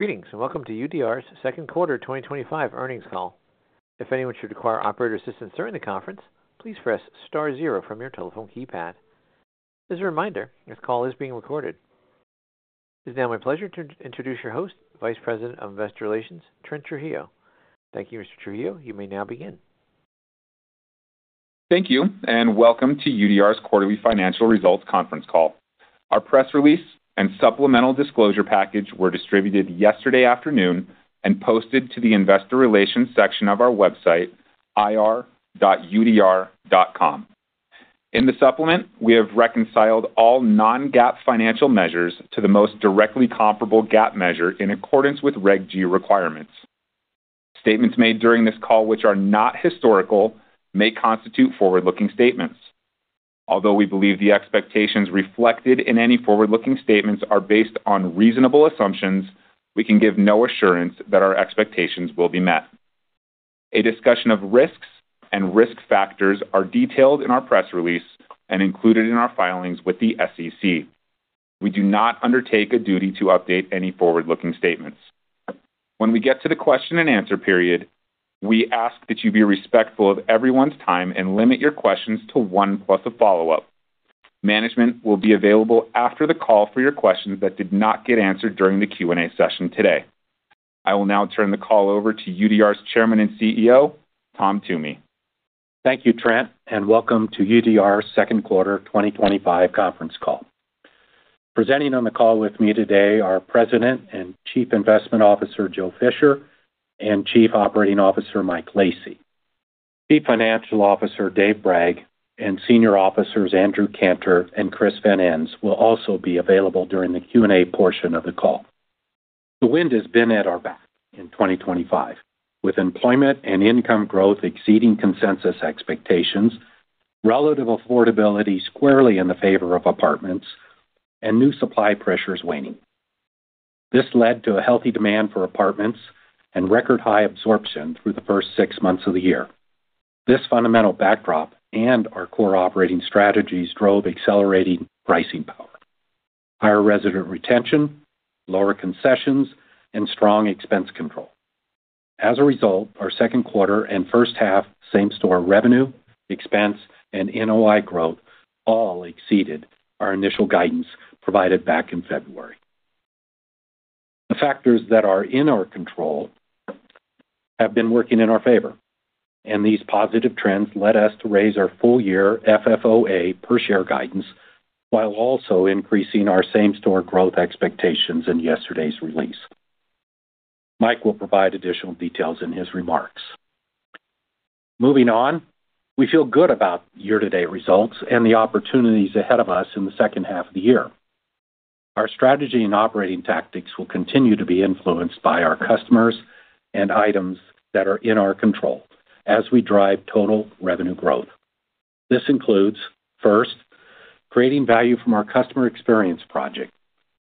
Greetings and welcome to UDR's Second Quarter 2025 Earnings Call. If anyone should require operator assistance during the conference, please press star zero from your telephone keypad. As a reminder, this call is being recorded. It is now my pleasure to introduce your host, Vice President of Investor Relations, Trent Trujillo. Thank you, Mr. Trujillo. You may now begin. Thank you and welcome to UDR's quarterly financial results conference call. Our press release and supplemental disclosure package were distributed yesterday afternoon and posted to the Investor Relations section of our website, ir.udr.com. In the supplement, we have reconciled all non-GAAP financial measures to the most directly comparable GAAP measure in accordance with Reg G requirements. Statements made during this call, which are not historical, may constitute forward-looking statements. Although we believe the expectations reflected in any forward-looking statements are based on reasonable assumptions, we can give no assurance that our expectations will be met. A discussion of risks and risk factors are detailed in our press release and included in our filings with the SEC. We do not undertake a duty to update any forward-looking statements. When we get to the question and answer period, we ask that you be respectful of everyone's time and limit your questions to one plus a follow-up. Management will be available after the call for your questions that did not get answered during the Q&A session today. I will now turn the call over to UDR's Chairman and CEO, Tom Toomey. Thank you, Trent, and welcome to UDR's second quarter 2025 conference call. Presenting on the call with me today are President and Chief Investment Officer Joe Fisher and Chief Operating Officer Mike Lacy. Chief Financial Officer Dave Bragg and Senior Officers Andrew Cantor and Chris Van Ens will also be available during the Q&A portion of the call. The wind has been at our back in 2025, with employment and income growth exceeding consensus expectations, relative affordability squarely in the favor of apartments, and new supply pressures waning. This led to a healthy demand for apartments and record-high absorption through the first six months of the year. This fundamental backdrop and our core operating strategies drove accelerating pricing power: higher resident retention, lower concessions, and strong expense control. As a result, our second quarter and first half same-store revenue, expense, and NOI growth all exceeded our initial guidance provided back in February. The factors that are in our control have been working in our favor, and these positive trends led us to raise our full-year FFOA per share guidance while also increasing our same-store growth expectations in yesterday's release. Mike will provide additional details in his remarks. Moving on, we feel good about year-to-date results and the opportunities ahead of us in the second half of the year. Our strategy and operating tactics will continue to be influenced by our customers and items that are in our control as we drive total revenue growth. This includes, first, creating value from our customer experience project.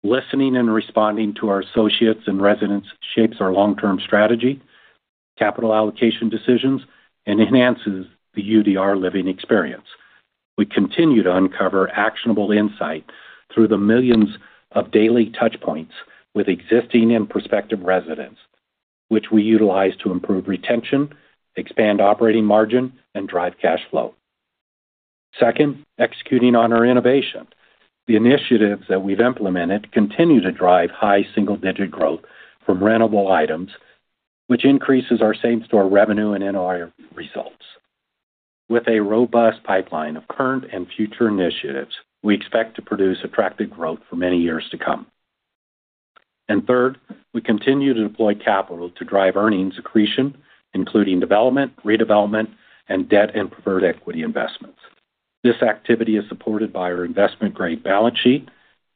Listening and responding to our associates and residents shapes our long-term strategy, capital allocation decisions, and enhances the UDR living experience. We continue to uncover actionable insight through the millions of daily touchpoints with existing and prospective residents, which we utilize to improve retention, expand operating margin, and drive cash flow. Second, executing on our innovation. The initiatives that we've implemented continue to drive high single-digit growth from rentable items, which increases our same-store revenue and NOI results. With a robust pipeline of current and future initiatives, we expect to produce attractive growth for many years to come. Third, we continue to deploy capital to drive earnings accretion, including development, redevelopment, and debt and preferred equity investments. This activity is supported by our investment-grade balance sheet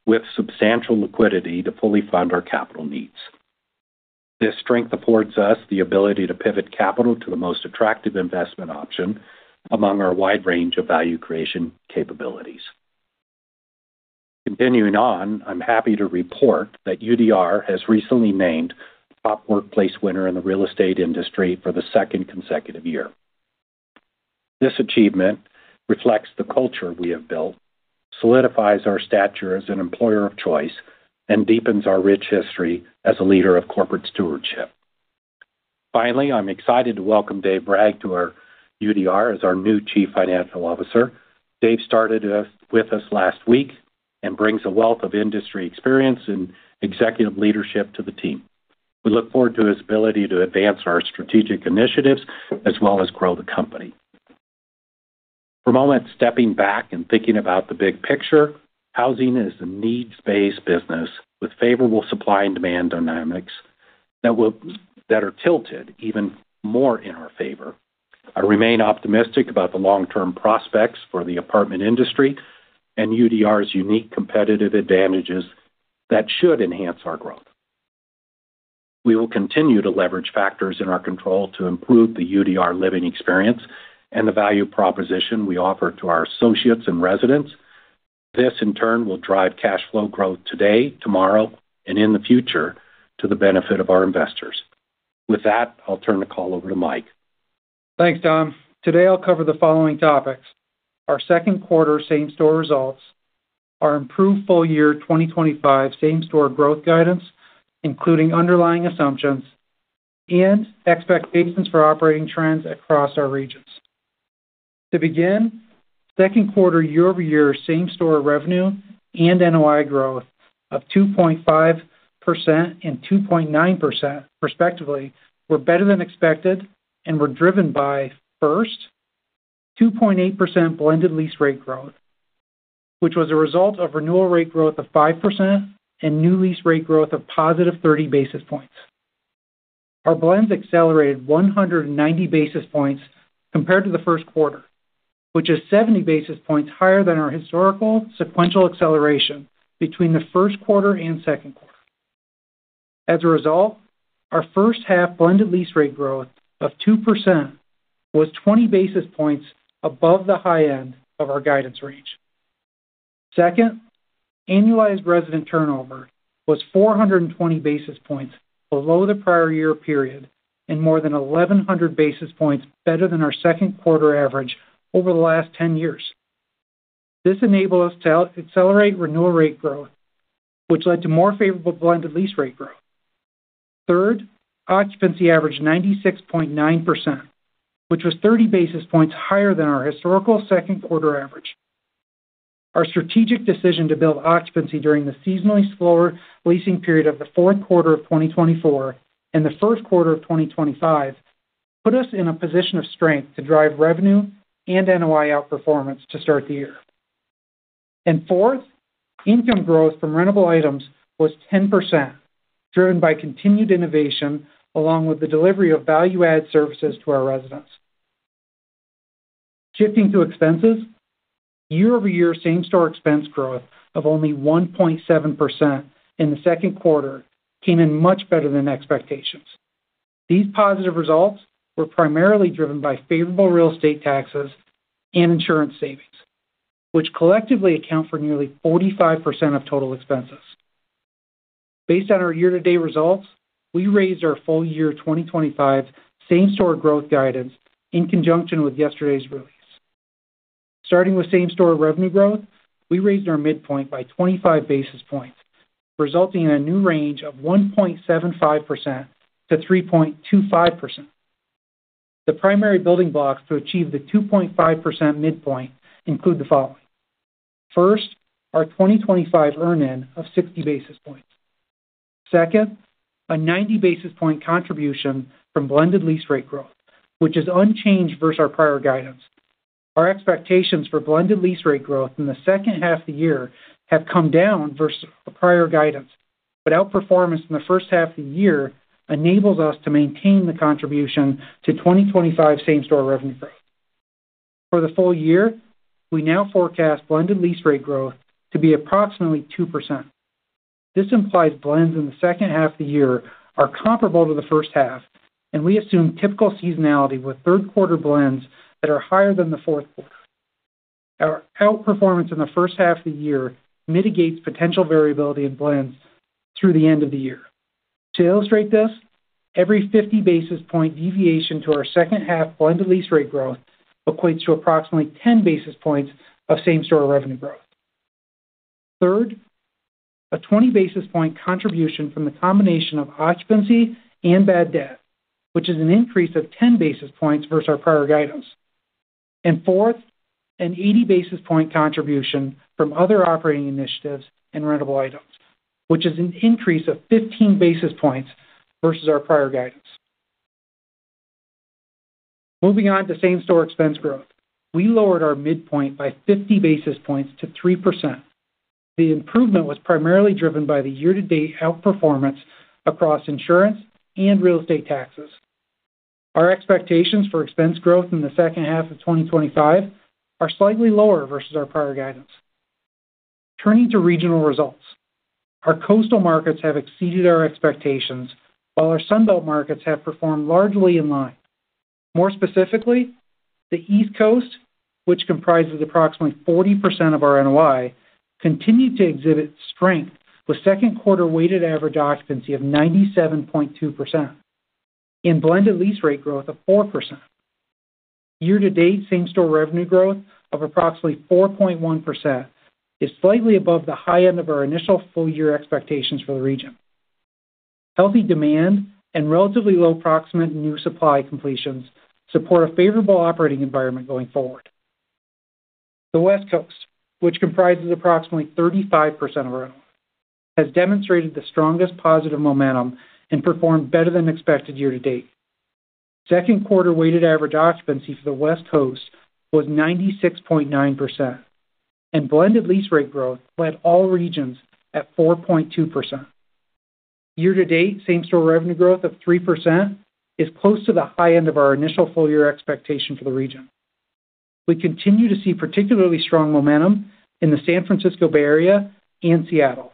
with substantial liquidity to fully fund our capital needs. This strength affords us the ability to pivot capital to the most attractive investment option among our wide range of value creation capabilities. Continuing on, I'm happy to report that UDR has recently been named top workplace winner in the real estate industry for the second consecutive year. This achievement reflects the culture we have built, solidifies our stature as an employer of choice, and deepens our rich history as a leader of corporate stewardship. Finally, I'm excited to welcome Dave Bragg to UDR as our new Chief Financial Officer. Dave started with us last week and brings a wealth of industry experience and executive leadership to the team. We look forward to his ability to advance our strategic initiatives as well as grow the company. For a moment, stepping back and thinking about the big picture, housing is a needs-based business with favorable supply and demand dynamics that are tilted even more in our favor. I remain optimistic about the long-term prospects for the apartment industry and UDR's unique competitive advantages that should enhance our growth. We will continue to leverage factors in our control to improve the UDR living experience and the value proposition we offer to our associates and residents. This, in turn, will drive cash flow growth today, tomorrow, and in the future to the benefit of our investors. With that, I'll turn the call over to Mike. Thanks, Tom. Today, I'll cover the following topics: our second-quarter same-store results, our improved full-year 2025 same-store growth guidance, including underlying assumptions, and expectations for operating trends across our regions. To begin, second-quarter year-over-year same-store revenue and NOI growth of 2.5% and 2.9%, respectively, were better than expected and were driven by, first, 2.8% blended lease rate growth, which was a result of renewal rate growth of 5% and new lease rate growth of positive 30 basis points. Our blends accelerated 190 basis points compared to the first quarter, which is 70 basis points higher than our historical sequential acceleration between the first quarter and second quarter. As a result, our first-half blended lease rate growth of 2% was 20 basis points above the high end of our guidance range. Second, annualized resident turnover was 420 basis points below the prior year period and more than 1,100 basis points better than our second-quarter average over the last 10 years. This enabled us to accelerate renewal rate growth, which led to more favorable blended lease rate growth. Third, occupancy averaged 96.9%, which was 30 basis points higher than our historical second-quarter average. Our strategic decision to build occupancy during the seasonally slower leasing period of the fourth quarter of 2024 and the first quarter of 2025 put us in a position of strength to drive revenue and NOI outperformance to start the year. Fourth, income growth from rentable items was 10%, driven by continued innovation along with the delivery of value-added services to our residents. Shifting to expenses, year-over-year same-store expense growth of only 1.7% in the second quarter came in much better than expectations. These positive results were primarily driven by favorable real estate taxes and insurance savings, which collectively account for nearly 45% of total expenses. Based on our year-to-date results, we raised our full-year 2025 same-store growth guidance in conjunction with yesterday's release. Starting with same-store revenue growth, we raised our midpoint by 25 basis points, resulting in a new range of 1.75%-3.25%. The primary building blocks to achieve the 2.5% midpoint include the following. First, our 2025 earn-in of 60 basis points. Second, a 90 basis point contribution from blended lease rate growth, which is unchanged versus our prior guidance. Our expectations for blended lease rate growth in the second half of the year have come down versus prior guidance, but outperformance in the first half of the year enables us to maintain the contribution to 2025 same-store revenue growth. For the full year, we now forecast blended lease rate growth to be approximately 2%. This implies blends in the second half of the year are comparable to the first half, and we assume typical seasonality with third-quarter blends that are higher than the fourth quarter. Our outperformance in the first half of the year mitigates potential variability in blends through the end of the year. To illustrate this, every 50 basis point deviation to our second-half blended lease rate growth equates to approximately 10 basis points of same-store revenue growth. Third, a 20 basis point contribution from the combination of occupancy and bad debt, which is an increase of 10 basis points versus our prior guidance. Fourth, an 80 basis point contribution from other operating initiatives and rentable items, which is an increase of 15 basis points versus our prior guidance. Moving on to same-store expense growth, we lowered our midpoint by 50 basis points to 3%. The improvement was primarily driven by the year-to-date outperformance across insurance and real estate taxes. Our expectations for expense growth in the second half of 2025 are slightly lower versus our prior guidance. Turning to regional results, our coastal markets have exceeded our expectations, while our Sunbelt markets have performed largely in line. More specifically, the East Coast, which comprises approximately 40% of our NOI, continued to exhibit strength with second-quarter weighted average occupancy of 97.2% and blended lease rate growth of 4%. Year-to-date same-store revenue growth of approximately 4.1% is slightly above the high end of our initial full-year expectations for the region. Healthy demand and relatively low approximate new supply completions support a favorable operating environment going forward. The West Coast, which comprises approximately 35% of our NOI, has demonstrated the strongest positive momentum and performed better than expected year-to-date. Second-quarter weighted average occupancy for the West Coast was 96.9%, and blended lease rate growth led all regions at 4.2%. Year-to-date same-store revenue growth of 3% is close to the high end of our initial full-year expectation for the region. We continue to see particularly strong momentum in the San Francisco Bay Area and Seattle,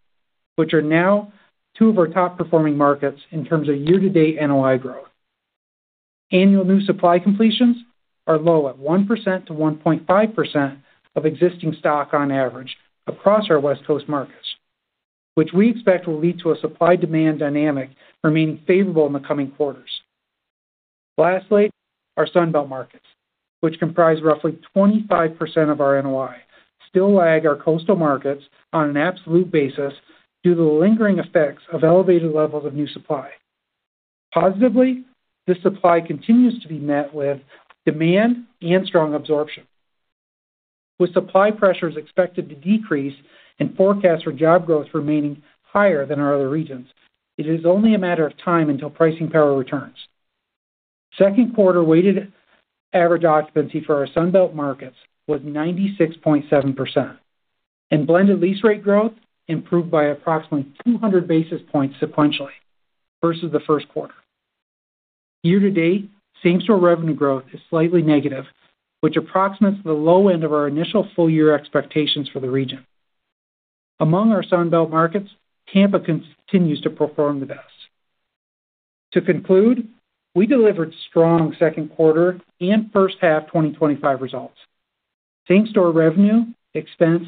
which are now two of our top-performing markets in terms of year-to-date NOI growth. Annual new supply completions are low at 1% to 1.5% of existing stock on average across our West Coast markets, which we expect will lead to a supply-demand dynamic remaining favorable in the coming quarters. Lastly, our Sunbelt markets, which comprise roughly 25% of our NOI, still lag our coastal markets on an absolute basis due to the lingering effects of elevated levels of new supply. Positively, this supply continues to be met with demand and strong absorption. With supply pressures expected to decrease and forecasts for job growth remaining higher than our other regions, it is only a matter of time until pricing power returns. Second-quarter weighted average occupancy for our Sunbelt markets was 96.7%. Blended lease rate growth improved by approximately 200 basis points sequentially versus the first quarter. Year-to-date same-store revenue growth is slightly negative, which approximates the low end of our initial full-year expectations for the region. Among our Sunbelt markets, Tampa continues to perform the best. To conclude, we delivered strong second-quarter and first-half 2025 results. Same-store revenue, expense,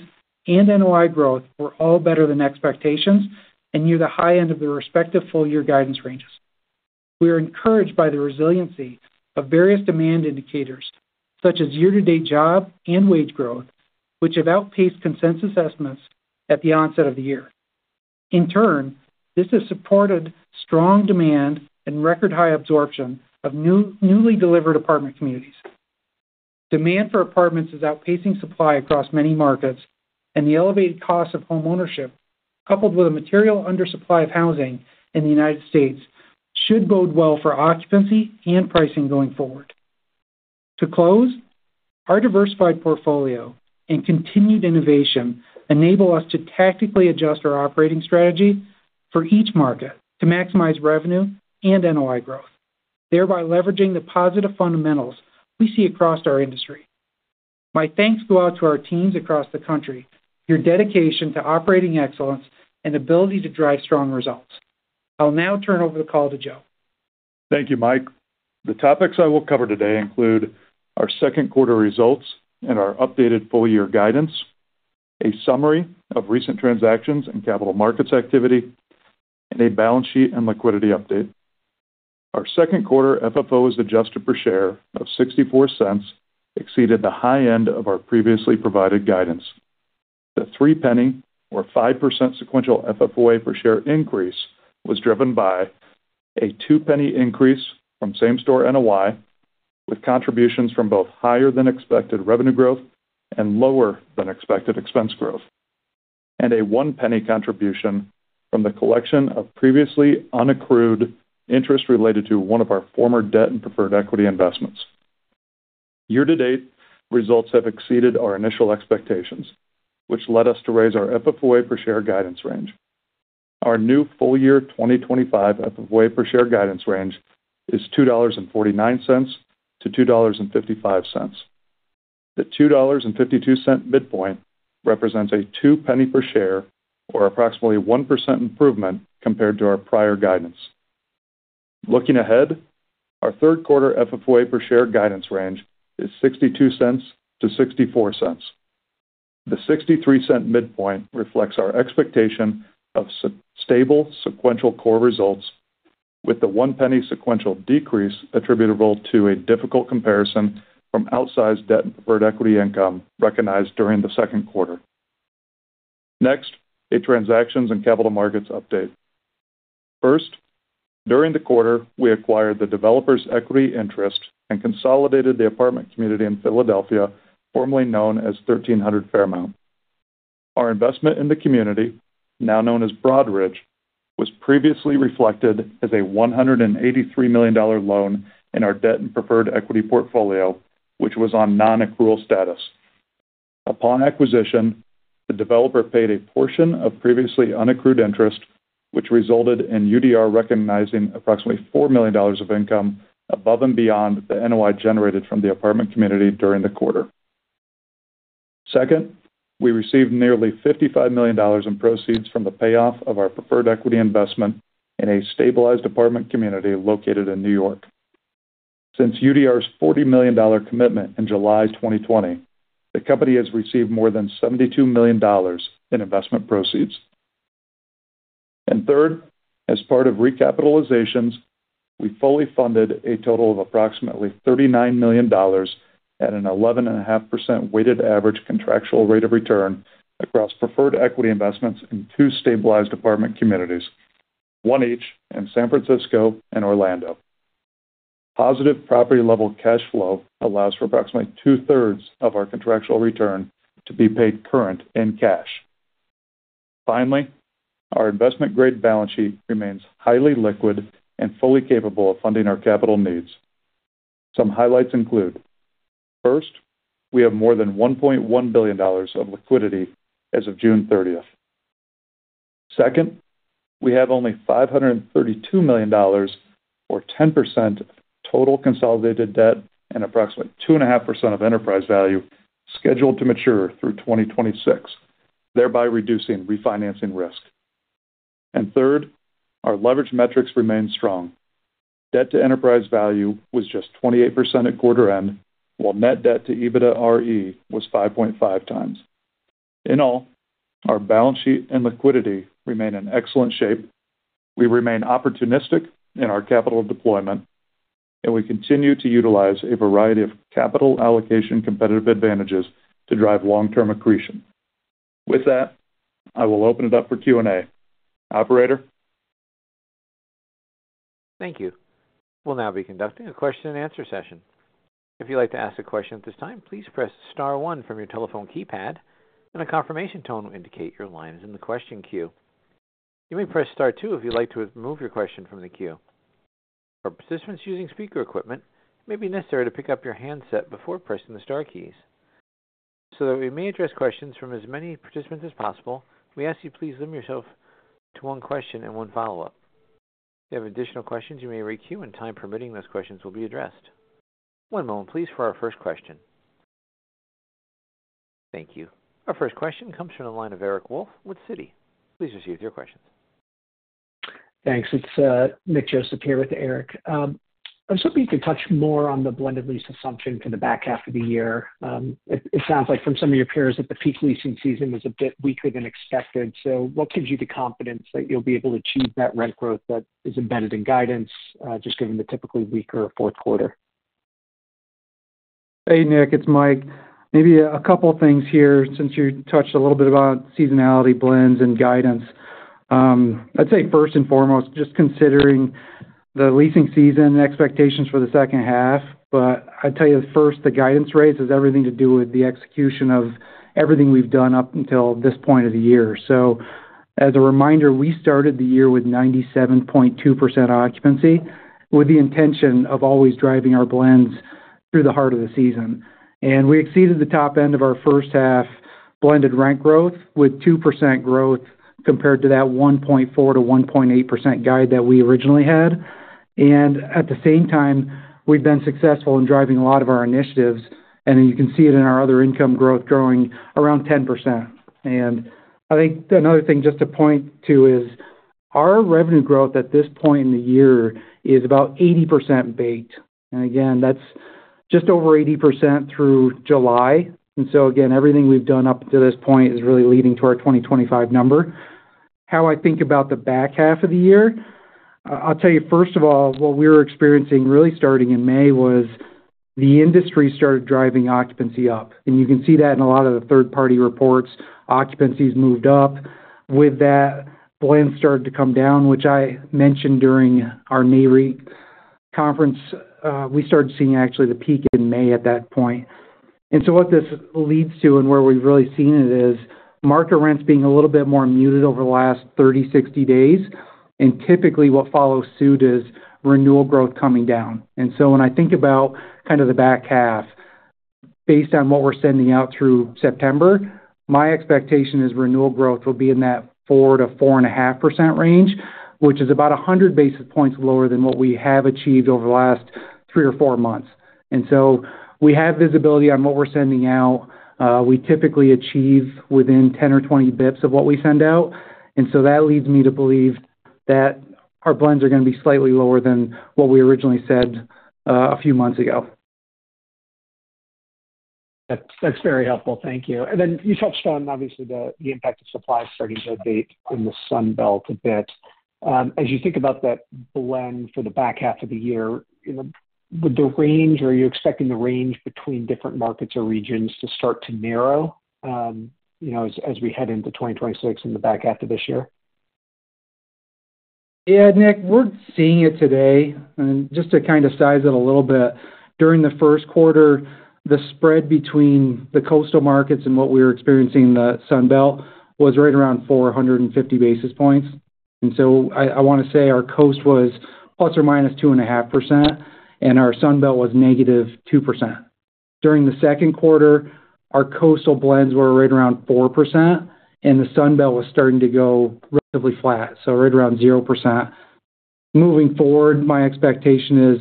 and NOI growth were all better than expectations and near the high end of the respective full-year guidance ranges. We are encouraged by the resiliency of various demand indicators, such as year-to-date job and wage growth, which have outpaced consensus estimates at the onset of the year. In turn, this has supported strong demand and record-high absorption of newly delivered apartment communities. Demand for apartments is outpacing supply across many markets, and the elevated cost of homeownership, coupled with a material undersupply of housing in the U.S., should bode well for occupancy and pricing going forward. To close, our diversified portfolio and continued innovation enable us to tactically adjust our operating strategy for each market to maximize revenue and NOI growth, thereby leveraging the positive fundamentals we see across our industry. My thanks go out to our teams across the country for your dedication to operating excellence and ability to drive strong results. I'll now turn over the call to Joe. Thank you, Mike. The topics I will cover today include our second-quarter results and our updated full-year guidance, a summary of recent transactions and capital markets activity, and a balance sheet and liquidity update. Our second-quarter FFOA per share is $0.64, exceeding the high end of our previously provided guidance. The three-penny, or 5% sequential FFOA per share increase was driven by a two-penny increase from same-store NOI, with contributions from both higher-than-expected revenue growth and lower-than-expected expense growth, and a one-penny contribution from the collection of previously unaccrued interest related to one of our former debt and preferred equity investments. Year-to-date results have exceeded our initial expectations, which led us to raise our FFOA per share guidance range. Our new full-year 2025 FFOA per share guidance range is $2.49 to $2.55. The $2.52 midpoint represents a two-penny per share, or approximately 1% improvement compared to our prior guidance. Looking ahead, our third-quarter FFOA per share guidance range is $0.62-$0.64. The $0.63 midpoint reflects our expectation of stable sequential core results, with the one-penny sequential decrease attributable to a difficult comparison from outsized debt and preferred equity income recognized during the second quarter. Next, a transactions and capital markets update. First, during the quarter, we acquired the developer's equity interest and consolidated the apartment community in Philadelphia, formerly known as 1300 Fairmount. Our investment in the community, now known as Broadridge, was previously reflected as a $183 million loan in our debt and preferred equity portfolio, which was on non-accrual status. Upon acquisition, the developer paid a portion of previously unaccrued interest, which resulted in UDR recognizing approximately $4 million of income above and beyond the NOI generated from the apartment community during the quarter. Second, we received nearly $55 million in proceeds from the payoff of our preferred equity investment in a stabilized apartment community located in New York. Since UDR's $40 million commitment in July 2020, the company has received more than $72 million in investment proceeds. Third, as part of recapitalizations, we fully funded a total of approximately $39 million. At an 11.5% weighted average contractual rate of return across preferred equity investments in two stabilized apartment communities, one each in San Francisco and Orlando. Positive property-level cash flow allows for approximately two-thirds of our contractual return to be paid current in cash. Finally, our investment-grade balance sheet remains highly liquid and fully capable of funding our capital needs. Some highlights include: first, we have more than $1.1 billion of liquidity as of June 30th. Second, we have only $532 million, or 10% of total consolidated debt and approximately 2.5% of enterprise value scheduled to mature through 2026, thereby reducing refinancing risk. Third, our leverage metrics remain strong. Debt to enterprise value was just 28% at quarter end, while net debt to EBITDA RE was 5.5 times. In all, our balance sheet and liquidity remain in excellent shape. We remain opportunistic in our capital deployment, and we continue to utilize a variety of capital allocation competitive advantages to drive long-term accretion. With that, I will open it up for Q&A. Operator. Thank you. We'll now be conducting a question and answer session. If you'd like to ask a question at this time, please press Star 1 from your telephone keypad, and a confirmation tone will indicate your line is in the question queue. You may press Star 2 if you'd like to remove your question from the queue. For participants using speaker equipment, it may be necessary to pick up your handset before pressing the Star keys. So that we may address questions from as many participants as possible, we ask that you please limit yourself to one question and one follow-up. If you have additional questions, you may raise a queue, and time permitting, those questions will be addressed. One moment, please, for our first question. Thank you. Our first question comes from the line of Eric Wolfe with Citi. Please proceed with your questions. Thanks. It's Nick Joseph here with Eric. I was hoping you could touch more on the blended lease assumption for the back half of the year. It sounds like, from some of your peers, that the peak leasing season was a bit weaker than expected. What gives you the confidence that you'll be able to achieve that rent growth that is embedded in guidance, just given the typically weaker fourth quarter? Hey, Nick. It's Mike. Maybe a couple of things here, since you touched a little bit about seasonality, blends, and guidance. I'd say, first and foremost, just considering the leasing season expectations for the second half. I'd tell you, first, the guidance raise has everything to do with the execution of everything we've done up until this point of the year. As a reminder, we started the year with 97.2% occupancy, with the intention of always driving our blends through the heart of the season. We exceeded the top end of our first half blended rent growth with 2% growth compared to that 1.4% to 1.8% guide that we originally had. At the same time, we've been successful in driving a lot of our initiatives. You can see it in our other income growth growing around 10%. I think another thing just to point to is our revenue growth at this point in the year is about 80% bait. Again, that's just over 80% through July. Everything we've done up to this point is really leading to our 2025 number. How I think about the back half of the year, I'll tell you, first of all, what we were experiencing really starting in May was the industry started driving occupancy up. You can see that in a lot of the third-party reports. Occupancies moved up. With that, blends started to come down, which I mentioned during our NAREIT conference. We started seeing, actually, the peak in May at that point. What this leads to and where we've really seen it is market rents being a little bit more muted over the last 30, 60 days. Typically, what follows suit is renewal growth coming down. When I think about kind of the back half, based on what we're sending out through September, my expectation is renewal growth will be in that 4% to 4.5% range, which is about 100 basis points lower than what we have achieved over the last three or four months. We have visibility on what we're sending out. We typically achieve within 10 or 20 bps of what we send out. That leads me to believe that our blends are going to be slightly lower than what we originally said a few months ago. That's very helpful. Thank you. You touched on, obviously, the impact of supply starting to abate in the Sunbelt a bit. As you think about that blend for the back half of the year, are you expecting the range between different markets or regions to start to narrow as we head into 2026 and the back half of this year? Yeah, Nick, we're seeing it today. Just to kind of size it a little bit, during the first quarter, the spread between the coastal markets and what we were experiencing in the Sunbelt was right around 450 basis points. I want to say our coast was plus or minus 2.5%, and our Sunbelt was negative 2%. During the second quarter, our coastal blends were right around 4%, and the Sunbelt was starting to go relatively flat, so right around 0%. Moving forward, my expectation is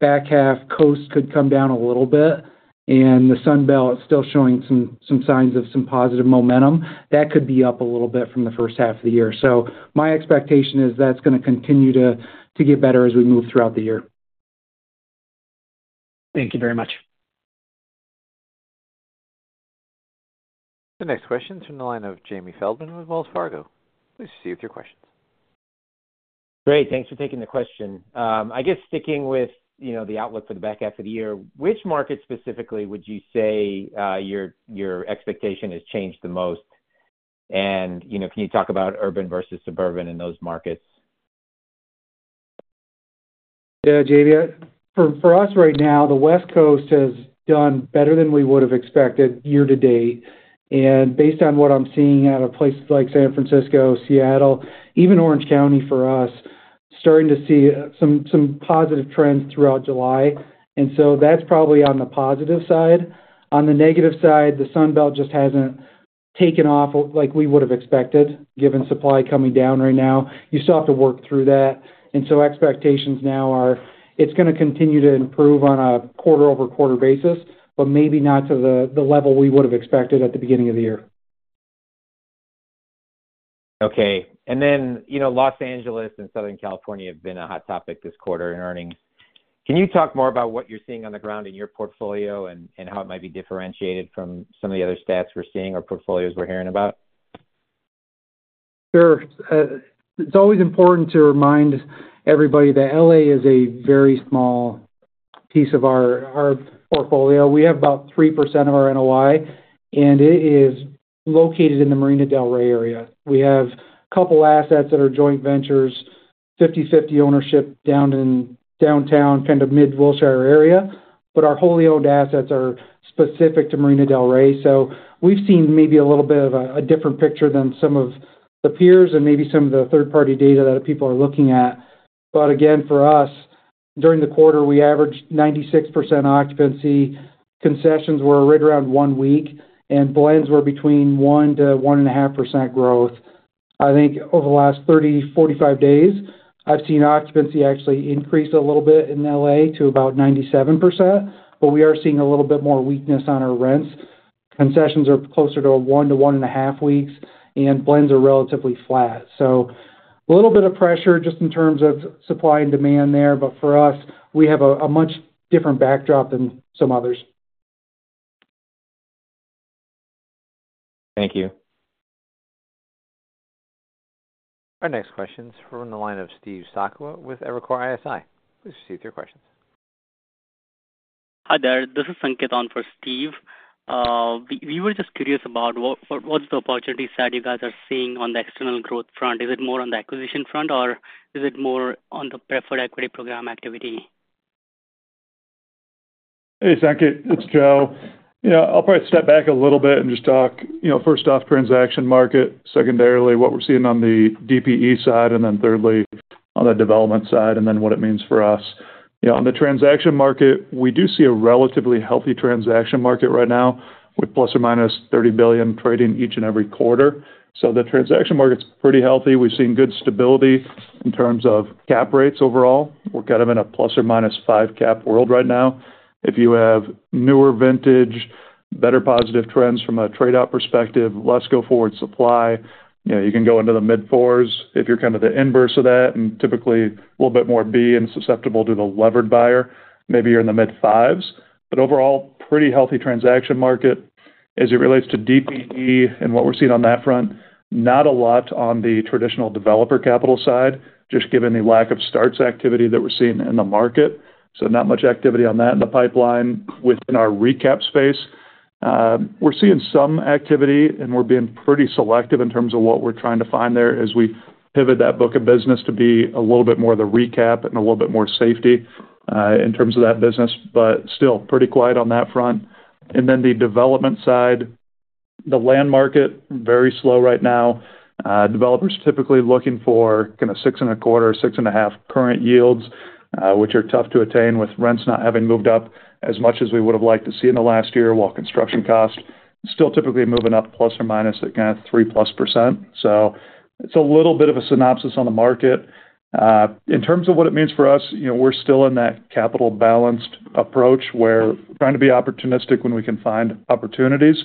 back half coast could come down a little bit, and the Sunbelt is still showing some signs of some positive momentum. That could be up a little bit from the first half of the year. My expectation is that's going to continue to get better as we move throughout the year. Thank you very much. The next question is from the line of Jamie Feldman with Wells Fargo. Please proceed with your questions. Great. Thanks for taking the question. I guess, sticking with the outlook for the back half of the year, which market specifically would you say your expectation has changed the most? Can you talk about urban versus suburban in those markets? Yeah, Jamie. For us right now, the West Coast has done better than we would have expected year to date. Based on what I'm seeing out of places like San Francisco, Seattle, even Orange County for us, starting to see some positive trends throughout July. That's probably on the positive side. On the negative side, the Sunbelt just hasn't taken off like we would have expected, given supply coming down right now. You still have to work through that. Expectations now are it's going to continue to improve on a quarter-over-quarter basis, but maybe not to the level we would have expected at the beginning of the year. Okay. Los Angeles and Southern California have been a hot topic this quarter in earnings. Can you talk more about what you're seeing on the ground in your portfolio and how it might be differentiated from some of the other stats we're seeing or portfolios we're hearing about? Sure. It's always important to remind everybody that LA is a very small piece of our portfolio. We have about 3% of our NOI, and it is located in the Marina Del Rey area. We have a couple of assets that are joint ventures, 50/50 ownership down in downtown, kind of mid-Wilshire area. Our wholly owned assets are specific to Marina Del Rey. We've seen maybe a little bit of a different picture than some of the peers and maybe some of the third-party data that people are looking at. For us, during the quarter, we averaged 96% occupancy. Concessions were right around one week, and blends were between 1% to 1.5% growth. I think over the last 30 to 45 days, I've seen occupancy actually increase a little bit in LA to about 97%. We are seeing a little bit more weakness on our rents. Concessions are closer to one to one and a half weeks, and blends are relatively flat. There is a little bit of pressure just in terms of supply and demand there. For us, we have a much different backdrop than some others. Thank you. Our next question is from the line of Steve Sakwa with Evercore ISI. Please proceed with your questions. Hi there. This is Sanketh on for Steve. We were just curious about what's the opportunity side you guys are seeing on the external growth front? Is it more on the acquisition front, or is it more on the preferred equity program activity? Hey, Sanketh. It's Joe. I'll probably step back a little bit and just talk, first off, transaction market, secondarily, what we're seeing on the DPE side, and then thirdly, on the development side, and then what it means for us. On the transaction market, we do see a relatively healthy transaction market right now, with plus or minus $30 billion trading each and every quarter. The transaction market's pretty healthy. We've seen good stability in terms of cap rates overall. We're kind of in a plus or minus five cap world right now. If you have newer vintage, better positive trends from a trade-off perspective, less go forward supply, you can go into the mid-4s. If you're kind of the inverse of that, and typically a little bit more B and susceptible to the levered buyer, maybe you're in the mid-5s. Overall, pretty healthy transaction market as it relates to DPE and what we're seeing on that front. Not a lot on the traditional developer capital side, just given the lack of starts activity that we're seeing in the market. Not much activity on that in the pipeline within our recap space. We're seeing some activity, and we're being pretty selective in terms of what we're trying to find there as we pivot that book of business to be a little bit more of the recap and a little bit more safety in terms of that business, but still pretty quiet on that front. On the development side, the land market, very slow right now. Developers typically looking for kind of 6.25%, 6.5% current yields, which are tough to attain with rents not having moved up as much as we would have liked to see in the last year, while construction costs still typically moving up plus or minus at kind of +3%. It's a little bit of a synopsis on the market. In terms of what it means for us, we're still in that capital-balanced approach where we're trying to be opportunistic when we can find opportunities.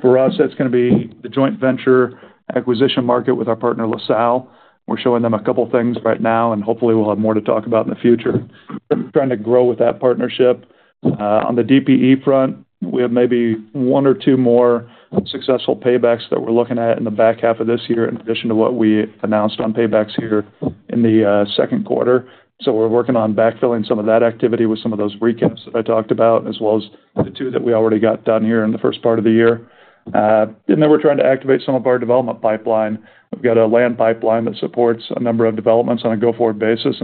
For us, that's going to be the joint venture acquisition market with our partner, LaSalle. We're showing them a couple of things right now, and hopefully, we'll have more to talk about in the future. Trying to grow with that partnership. On the DPE front, we have maybe one or two more successful paybacks that we're looking at in the back half of this year in addition to what we announced on paybacks here in the second quarter. We're working on backfilling some of that activity with some of those recaps that I talked about, as well as the two that we already got done here in the first part of the year. We're trying to activate some of our development pipeline. We've got a land pipeline that supports a number of developments on a go-forward basis.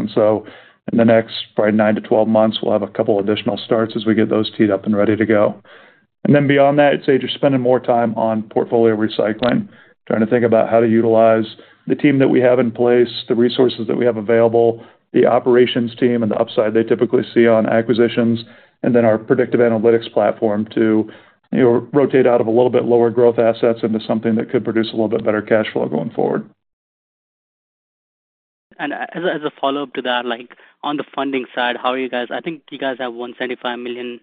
In the next probably 9-12 months, we'll have a couple of additional starts as we get those teed up and ready to go. Beyond that, I'd say you're spending more time on portfolio recycling, trying to think about how to utilize the team that we have in place, the resources that we have available, the operations team, and the upside they typically see on acquisitions, and then our predictive analytics platform too. Rotate out of a little bit lower growth assets into something that could produce a little bit better cash flow going forward. As a follow-up to that, on the funding side, how are you guys? I think you guys have $175 million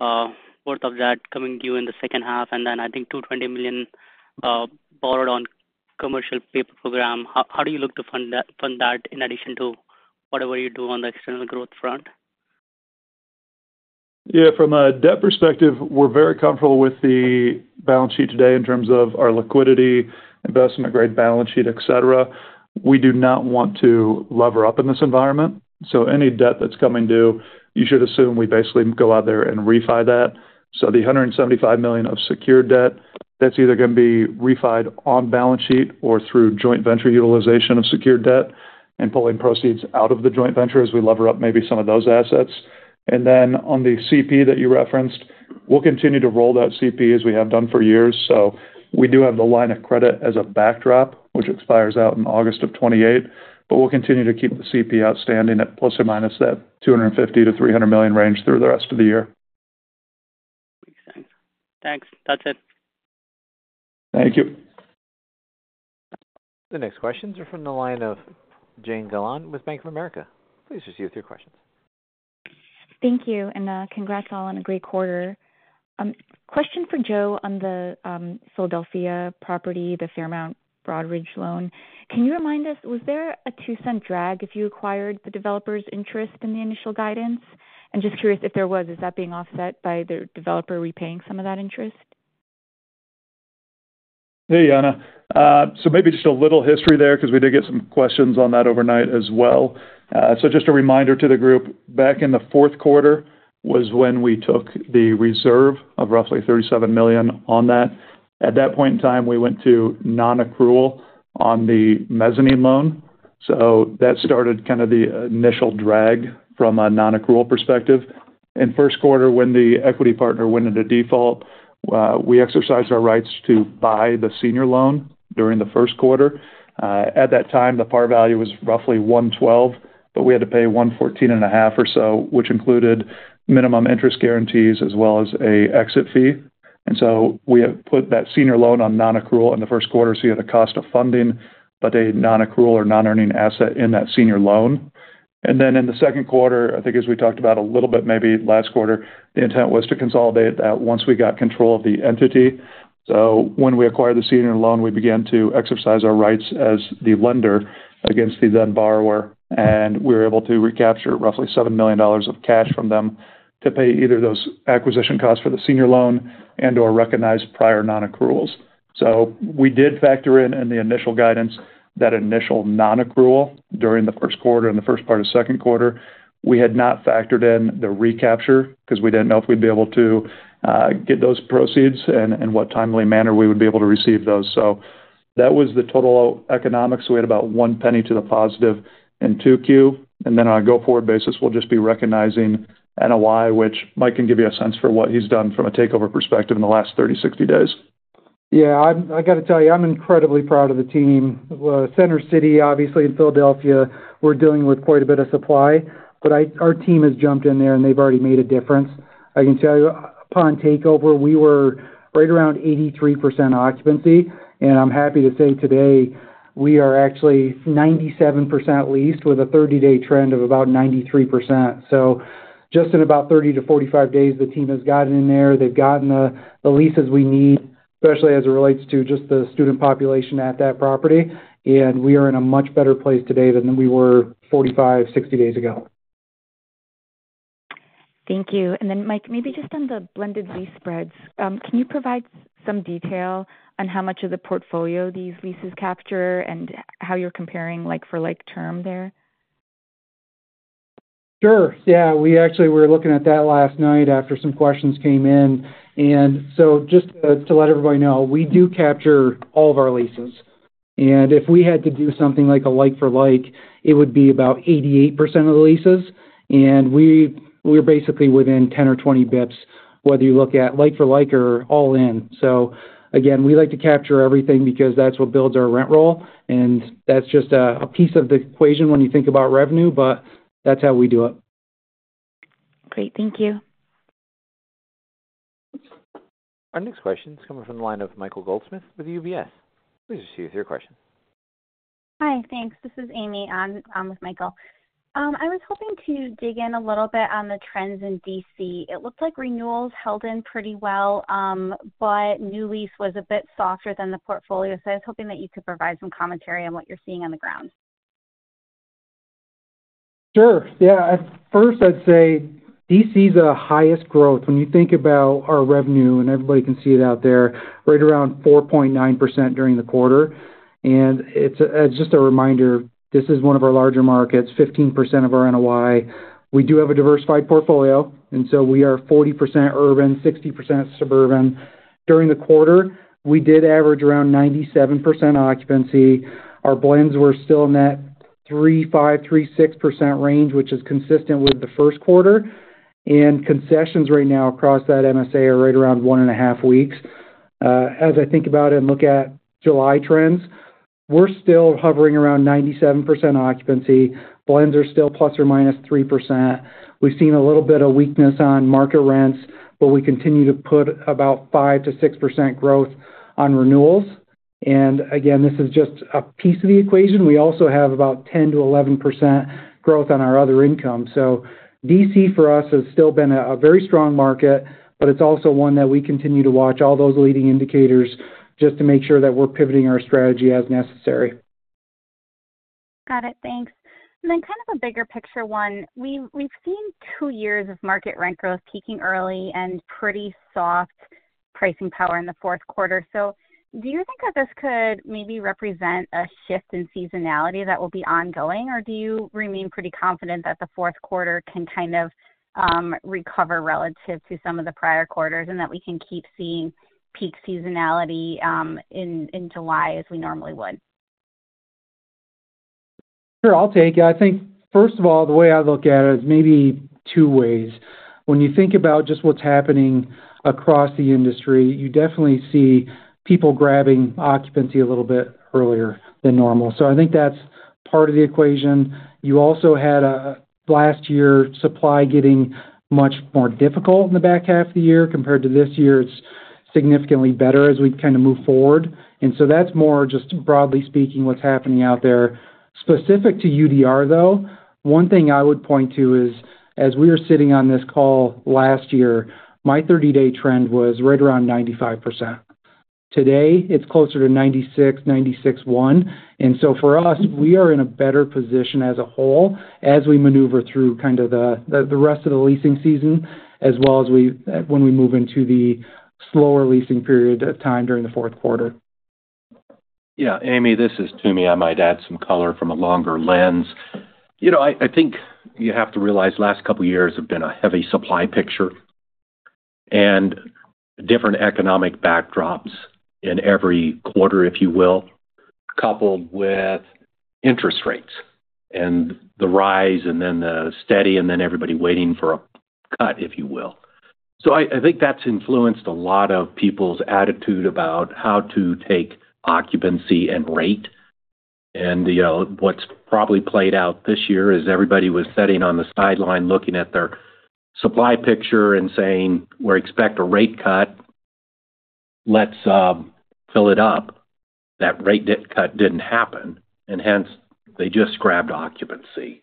worth of that coming due in the second half, and then I think $220 million borrowed on the commercial paper program. How do you look to fund that in addition to whatever you do on the external growth front? Yeah. From a debt perspective, we're very comfortable with the balance sheet today in terms of our liquidity, investment-grade balance sheet, etc. We do not want to lever up in this environment. Any debt that's coming due, you should assume we basically go out there and refi that. The $175 million of secured debt, that's either going to be refi'd on balance sheet or through joint venture utilization of secured debt and pulling proceeds out of the joint venture as we lever up maybe some of those assets. On the CP that you referenced, we'll continue to roll that CP as we have done for years. We do have the line of credit as a backdrop, which expires out in August of 2028. We'll continue to keep the CP outstanding at plus or minus that $250 to $300 million range through the rest of the year. Makes sense. Thanks. That's it. Thank you. The next questions are from the line of Jane Gillon with Bank of America. Please proceed with your questions. Thank you. Congrats all on a great quarter. Question for Joe on the Philadelphia property, the Fairmount Broadridge loan. Can you remind us, was there a $0.02 drag if you acquired the developer's interest in the initial guidance? I'm just curious if there was, is that being offset by the developer repaying some of that interest? Hey, Jane. Maybe just a little history there because we did get some questions on that overnight as well. Just a reminder to the group, back in the fourth quarter was when we took the reserve of roughly $37 million on that. At that point in time, we went to non-accrual on the mezzanine loan. That started kind of the initial drag from a non-accrual perspective. In the first quarter, when the equity partner went into default, we exercised our rights to buy the senior loan during the first quarter. At that time, the par value was roughly $112 million, but we had to pay $114.5 million or so, which included minimum interest guarantees as well as an exit fee. We have put that senior loan on nonaccrual in the first quarter, so you had a cost of funding, but a non-accrual or non-earning asset in that senior loan. In the second quarter, as we talked about a little bit maybe last quarter, the intent was to consolidate that once we got control of the entity. When we acquired the senior loan, we began to exercise our rights as the lender against the then borrower. We were able to recapture roughly $7 million of cash from them to pay either those acquisition costs for the senior loan and/or recognize prior non-accruals. We did factor in in the initial guidance that initial non-accrual during the first quarter and the first part of the second quarter. We had not factored in the recapture because we didn't know if we'd be able to get those proceeds and in what timely manner we would be able to receive those. That was the total economics. We had about one penny to the positive in 2Q. On a go-forward basis, we'll just be recognizing NOI, which Mike can give you a sense for what he's done from a takeover perspective in the last 30, 60 days. Yeah. I got to tell you, I'm incredibly proud of the team. Center City, obviously, in Philadelphia, we're dealing with quite a bit of supply. Our team has jumped in there, and they've already made a difference. I can tell you, upon takeover, we were right around 83% occupancy. I'm happy to say today we are actually 97% leased with a 30-day trend of about 93%. Just in about 30-45 days, the team has gotten in there. They've gotten the leases we need, especially as it relates to just the student population at that property. We are in a much better place today than we were 45, 60 days ago. Thank you. Mike, maybe just on the blended lease spreads, can you provide some detail on how much of the portfolio these leases capture and how you're comparing like-for-like term there? Sure. We actually were looking at that last night after some questions came in. Just to let everybody know, we do capture all of our leases. If we had to do something like a like-for-like, it would be about 88% of the leases. We're basically within 10 or 20 bps, whether you look at like-for-like or all-in. We like to capture everything because that's what builds our rent roll. That's just a piece of the equation when you think about revenue, but that's how we do it. Great, thank you. Our next question is coming from the line of Michael Goldsmith with UBS. Please proceed with your question. Hi. Thanks. This is Amy. I'm with Michael. I was hoping to dig in a little bit on the trends in DC. It looked like renewals held in pretty well, but new lease was a bit softer than the portfolio. I was hoping that you could provide some commentary on what you're seeing on the ground. Sure. At first, I'd say DC's the highest growth when you think about our revenue, and everybody can see it out there, right around 4.9% during the quarter. It's just a reminder, this is one of our larger markets, 15% of our NOI. We do have a diversified portfolio. We are 40% urban, 60% suburban. During the quarter, we did average around 97% occupancy. Our blends were still in that 3.5%, 3.6% range, which is consistent with the first quarter. Concessions right now across that MSA are right around one and a half weeks. As I think about it and look at July trends, we're still hovering around 97% occupancy. Blends are still plus or minus 3%. We've seen a little bit of weakness on market rents, but we continue to put about 5% to 6% growth on renewals. This is just a piece of the equation. We also have about 10% to 11% growth on our other income. DC for us has still been a very strong market, but it's also one that we continue to watch all those leading indicators just to make sure that we're pivoting our strategy as necessary. Got it. Thanks. Kind of a bigger picture one, we've seen two years of market rent growth peaking early and pretty soft pricing power in the fourth quarter. Do you think that this could maybe represent a shift in seasonality that will be ongoing, or do you remain pretty confident that the fourth quarter can recover relative to some of the prior quarters and that we can keep seeing peak seasonality in July as we normally would? Sure. I'll take it. I think, first of all, the way I look at it is maybe two ways. When you think about just what's happening across the industry, you definitely see people grabbing occupancy a little bit earlier than normal. I think that's part of the equation. You also had last year supply getting much more difficult in the back half of the year compared to this year. It's significantly better as we kind of move forward. That's more just broadly speaking what's happening out there. Specific to UDR, though, one thing I would point to is as we were sitting on this call last year, my 30-day trend was right around 95%. Today, it's closer to 96%, 96.1%. For us, we are in a better position as a whole as we maneuver through kind of the rest of the leasing season as well as when we move into the slower leasing period of time during the fourth quarter. Yeah. Amy, this is Tom Toomey. I might add some color from a longer lens. I think you have to realize the last couple of years have been a heavy supply picture, and different economic backdrops in every quarter, if you will, coupled with interest rates and the rise and then the steady and then everybody waiting for a cut, if you will. I think that's influenced a lot of people's attitude about how to take occupancy and rate. What's probably played out this year is everybody was sitting on the sideline looking at their supply picture and saying, "We expect a rate cut. Let's fill it up." That rate cut didn't happen, and hence, they just grabbed occupancy.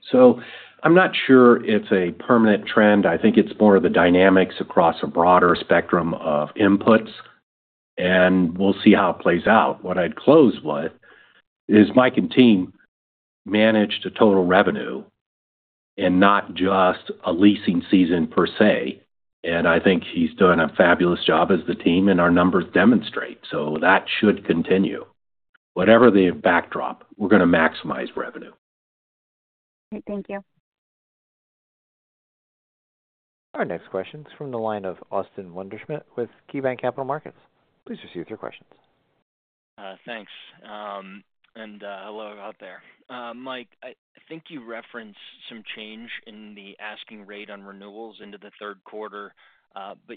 I'm not sure it's a permanent trend. I think it's more of the dynamics across a broader spectrum of inputs, and we'll see how it plays out. What I'd close with is Mike and team managed a total revenue, and not just a leasing season per se. I think he's done a fabulous job as the team, and our numbers demonstrate. That should continue. Whatever the backdrop, we're going to maximize revenue. Great, thank you. Our next question is from the line of Austin Wurschmidt with KeyBanc Capital Markets. Please proceed with your questions. Thanks. Hello out there. Mike, I think you referenced some change in the asking rate on renewals into the third quarter,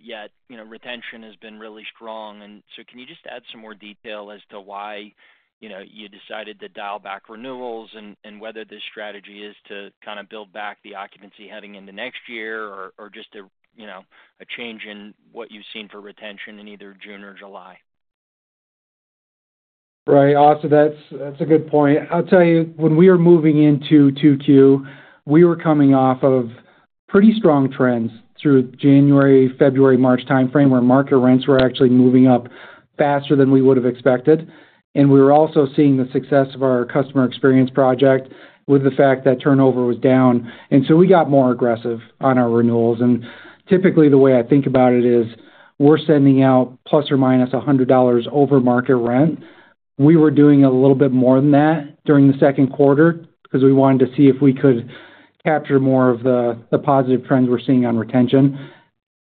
yet retention has been really strong. Can you just add some more detail as to why you decided to dial back renewals and whether this strategy is to kind of build back the occupancy heading into next year, or just a change in what you've seen for retention in either June or July? Right. Awesome. That's a good point. I'll tell you, when we were moving into 2Q, we were coming off of pretty strong trends through January, February, March timeframe where market rents were actually moving up faster than we would have expected. We were also seeing the success of our customer experience project with the fact that turnover was down, so we got more aggressive on our renewals. Typically, the way I think about it is we're sending out plus or minus $100 over market rent. We were doing a little bit more than that during the second quarter because we wanted to see if we could capture more of the positive trends we're seeing on retention.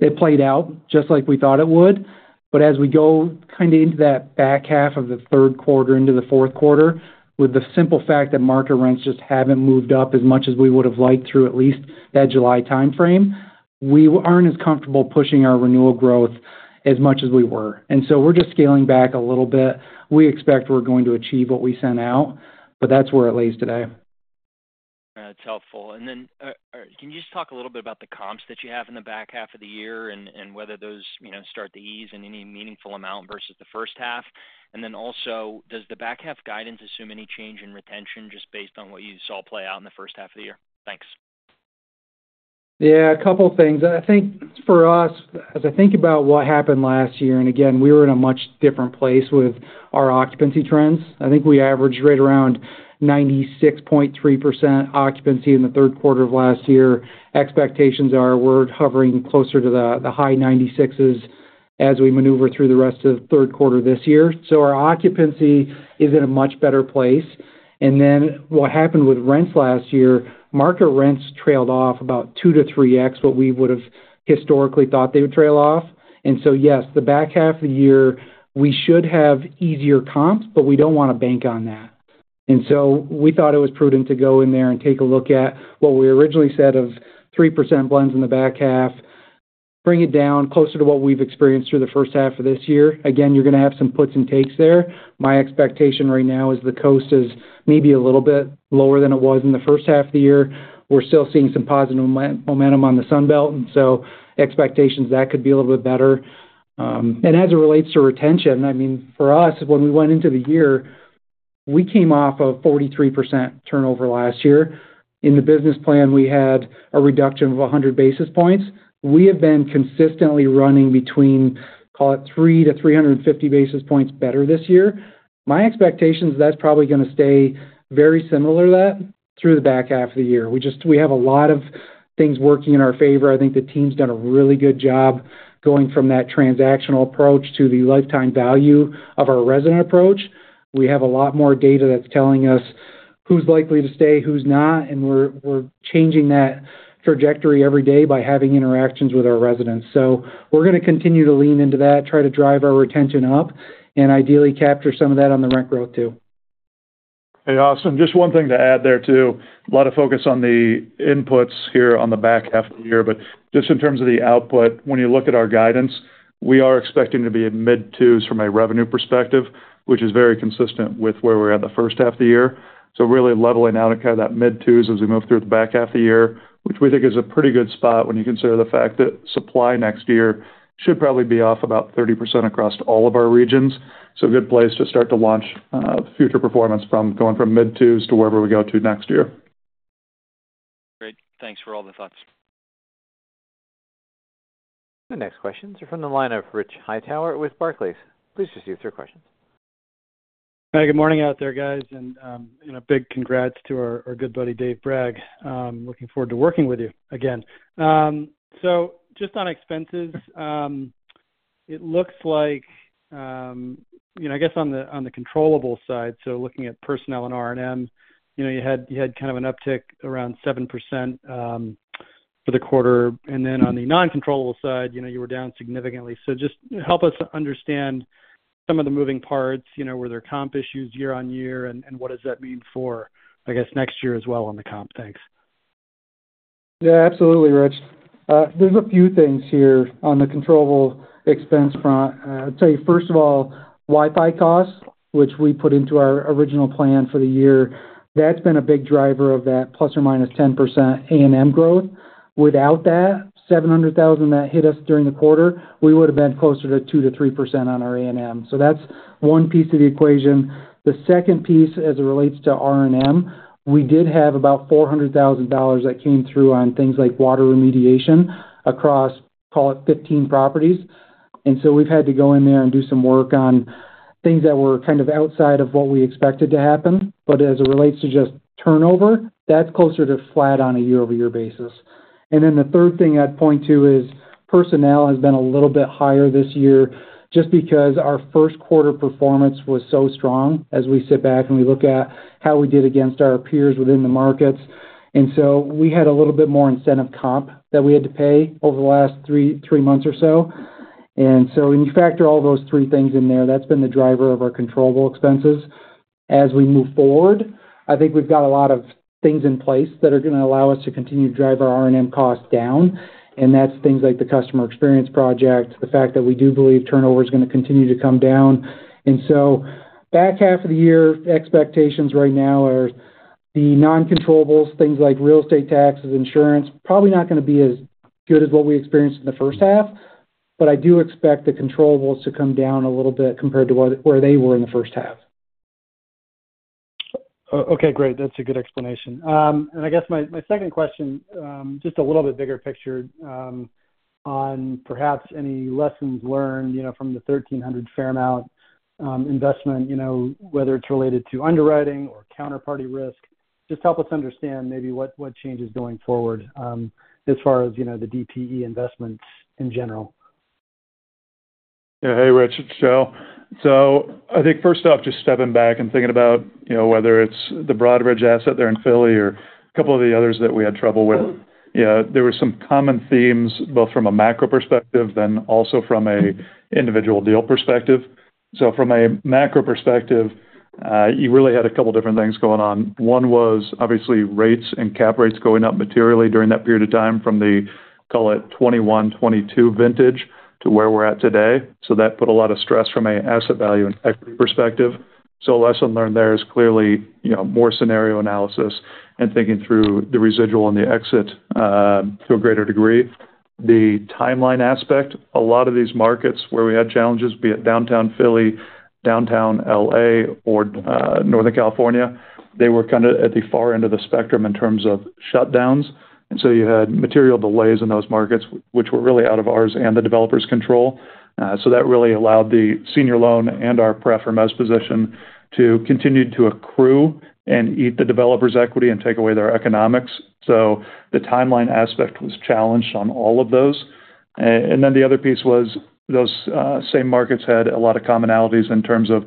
It played out just like we thought it would. As we go into that back half of the third quarter into the fourth quarter, with the simple fact that market rents just haven't moved up as much as we would have liked through at least that July timeframe, we aren't as comfortable pushing our renewal growth as much as we were, so we're just scaling back a little bit. We expect we're going to achieve what we sent out, but that's where it lays today. That's helpful. Can you just talk a little bit about the comps that you have in the back half of the year and whether those start to ease in any meaningful amount versus the first half? Also, does the back half guidance assume any change in retention just based on what you saw play out in the first half of the year? Thanks. Yeah. A couple of things. I think for us, as I think about what happened last year, we were in a much different place with our occupancy trends. I think we averaged right around 96.3% occupancy in the third quarter of last year. Expectations are we're hovering closer to the high 96%s as we maneuver through the rest of the third quarter this year. Our occupancy is in a much better place. What happened with rents last year, market rents trailed off about 2 to 3X what we would have historically thought they would trail off. Yes, the back half of the year, we should have easier comps, but we don't want to bank on that. We thought it was prudent to go in there and take a look at what we originally said of 3% blends in the back half, bring it down closer to what we've experienced through the first half of this year. You're going to have some puts and takes there. My expectation right now is the coast is maybe a little bit lower than it was in the first half of the year. We're still seeing some positive momentum on the Sunbelt. Expectations that could be a little bit better. As it relates to retention, for us, when we went into the year, we came off of 43% turnover last year. In the business plan, we had a reduction of 100 basis points. We have been consistently running between, call it, 3 to 350 basis points better this year. My expectation is that's probably going to stay very similar to that through the back half of the year. We have a lot of things working in our favor. I think the team's done a really good job going from that transactional approach to the lifetime value of our resident approach. We have a lot more data that's telling us who's likely to stay, who's not. We're changing that trajectory every day by having interactions with our residents. We're going to continue to lean into that, try to drive our retention up, and ideally capture some of that on the rent growth too. Hey, Austin, just one thing to add there too. A lot of focus on the inputs here on the back half of the year. Just in terms of the output, when you look at our guidance, we are expecting to be in mid-2% from a revenue perspective, which is very consistent with where we're at the first half of the year. Really leveling out at kind of that mid-2% as we move through the back half of the year, which we think is a pretty good spot when you consider the fact that supply next year should probably be off about 30% across all of our regions. A good place to start to launch future performance from going from mid-2% to wherever we go to next year. Great. Thanks for all the thoughts. The next questions are from the line of Rich Hightower with Barclays. Please proceed with your questions. Hi, good morning out there, guys. A big congrats to our good buddy Dave Bragg. Looking forward to working with you again. Just on expenses, it looks like on the controllable side, so looking at personnel and R&M, you had kind of an uptick around 7% for the quarter. On the non-controllable side, you were down significantly. Help us understand some of the moving parts. Were there comp issues year on year, and what does that mean for next year as well on the comp? Thanks. Yeah, absolutely, Rich. There's a few things here on the controllable expense front. I'll tell you, first of all, Wi-Fi costs, which we put into our original plan for the year, that's been a big driver of that plus or minus 10% A&M growth. Without that, $700,000 that hit us during the quarter, we would have been closer to 2% to 3% on our A&M. That's one piece of the equation. The second piece, as it relates to R&M, we did have about $400,000 that came through on things like water remediation across, call it, 15 properties. We've had to go in there and do some work on things that were kind of outside of what we expected to happen. As it relates to just turnover, that's closer to flat on a year-over-year basis. The third thing I'd point to is personnel has been a little bit higher this year just because our first quarter performance was so strong as we sit back and we look at how we did against our peers within the markets. We had a little bit more incentive comp that we had to pay over the last three months or so. When you factor all those three things in there, that's been the driver of our controllable expenses. As we move forward, I think we've got a lot of things in place that are going to allow us to continue to drive our R&M costs down. That's things like the customer experience project, the fact that we do believe turnover is going to continue to come down. Back half of the year, expectations right now are the non-controllables, things like real estate taxes, insurance, probably not going to be as good as what we experienced in the first half. I do expect the controllable to come down a little bit compared to where they were in the first half. Okay, great. That's a good explanation. I guess my second question, just a little bit bigger picture, on perhaps any lessons learned from the 1,300 Fairmount investment, whether it's related to underwriting or counterparty risk, just help us understand maybe what changes going forward as far as the DPE investments in general. Yeah. Hey, Rich, I think first off, just stepping back and thinking about whether it's the Broadridge asset there in Philadelphia or a couple of the others that we had trouble with, there were some common themes both from a macro perspective and also from an individual deal perspective. From a macro perspective, you really had a couple of different things going on. One was obviously rates and cap rates going up materially during that period of time from the, call it, 2021, 2022 vintage to where we're at today. That put a lot of stress from an asset value and equity perspective. A lesson learned there is clearly more scenario analysis and thinking through the residual and the exit to a greater degree. The timeline aspect, a lot of these markets where we had challenges, be it downtown Philadelphia, downtown LA, or Northern California, were kind of at the far end of the spectrum in terms of shutdowns. You had material delays in those markets, which were really out of ours and the developer's control. That really allowed the senior loan and our preferred most position to continue to accrue and eat the developer's equity and take away their economics. The timeline aspect was challenged on all of those. The other piece was those same markets had a lot of commonalities in terms of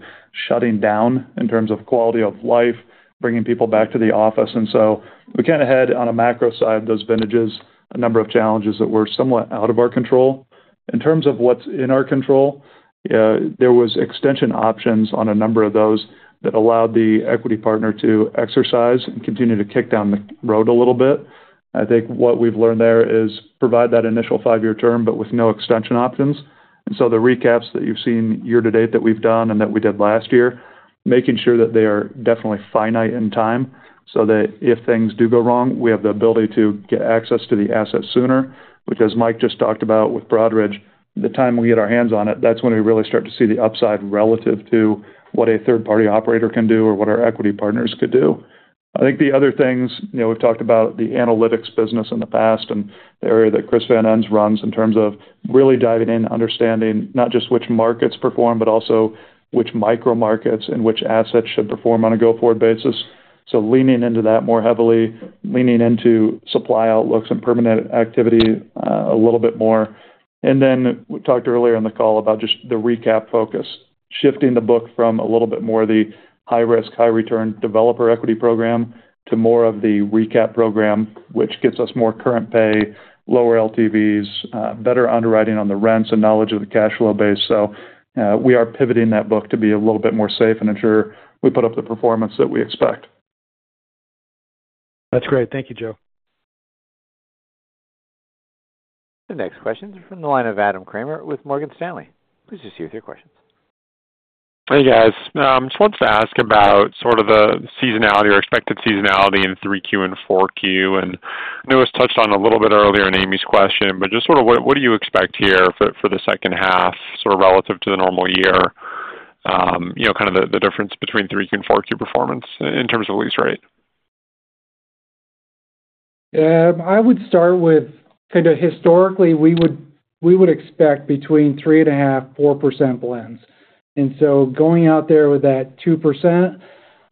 shutting down, in terms of quality of life, bringing people back to the office. We kind of had on a macro side of those vintages a number of challenges that were somewhat out of our control. In terms of what's in our control, there were extension options on a number of those that allowed the equity partner to exercise and continue to kick down the road a little bit. I think what we've learned there is provide that initial five-year term, but with no extension options. The recaps that you've seen year to date that we've done and that we did last year, making sure that they are definitely finite in time so that if things do go wrong, we have the ability to get access to the asset sooner, which, as Mike just talked about with Broadridge, the time we get our hands on it, that's when we really start to see the upside relative to what a third-party operator can do or what our equity partners could do. I think the other things, we've talked about the analytics business in the past and the area that Chris Van Ens runs in terms of really diving in, understanding not just which markets perform, but also which micro markets and which assets should perform on a go-forward basis. Leaning into that more heavily, leaning into supply outlooks and permanent activity a little bit more. We talked earlier in the call about just the recap focus, shifting the book from a little bit more of the high-risk, high-return developer equity program to more of the recap program, which gets us more current pay, lower LTVs, better underwriting on the rents, and knowledge of the cash flow base. We are pivoting that book to be a little bit more safe and ensure we put up the performance that we expect. That's great. Thank you, Joe. The next question is from the line of Adam Kramer with Morgan Stanley. Please proceed with your questions. Hey, guys. Just wanted to ask about the seasonality or expected seasonality in 3Q and 4Q. I know it was touched on a little bit earlier in Amy's question, but what do you expect here for the second half relative to a normal year? What is the difference between 3Q and 4Q performance in terms of lease rate? I would start with kind of historically, we would expect between 3.5%-4% blends. Going out there with that 2%,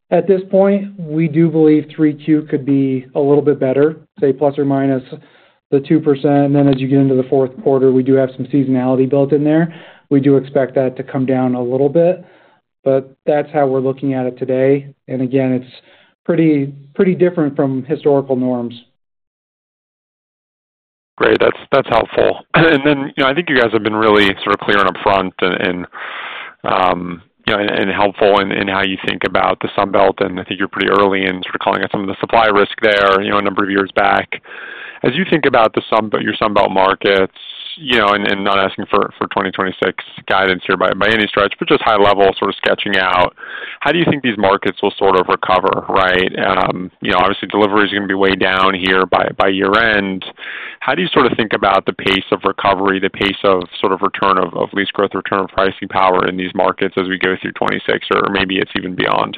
at this point, we do believe 3Q could be a little bit better, say plus or minus the 2%. As you get into the fourth quarter, we do have some seasonality built in there. We do expect that to come down a little bit. That's how we're looking at it today. Again, it's pretty different from historical norms. Great. That's helpful. I think you guys have been really sort of clear and upfront and helpful in how you think about the Sunbelt. I think you were pretty early in sort of calling out some of the supply risk there a number of years back. As you think about your Sunbelt markets, and not asking for 2026 guidance here by any stretch, but just high-level sort of sketching out, how do you think these markets will sort of recover, right? Obviously, delivery is going to be way down here by year-end. How do you sort of think about the pace of recovery, the pace of sort of return of lease growth, return of pricing power in these markets as we go through 2026, or maybe it's even beyond?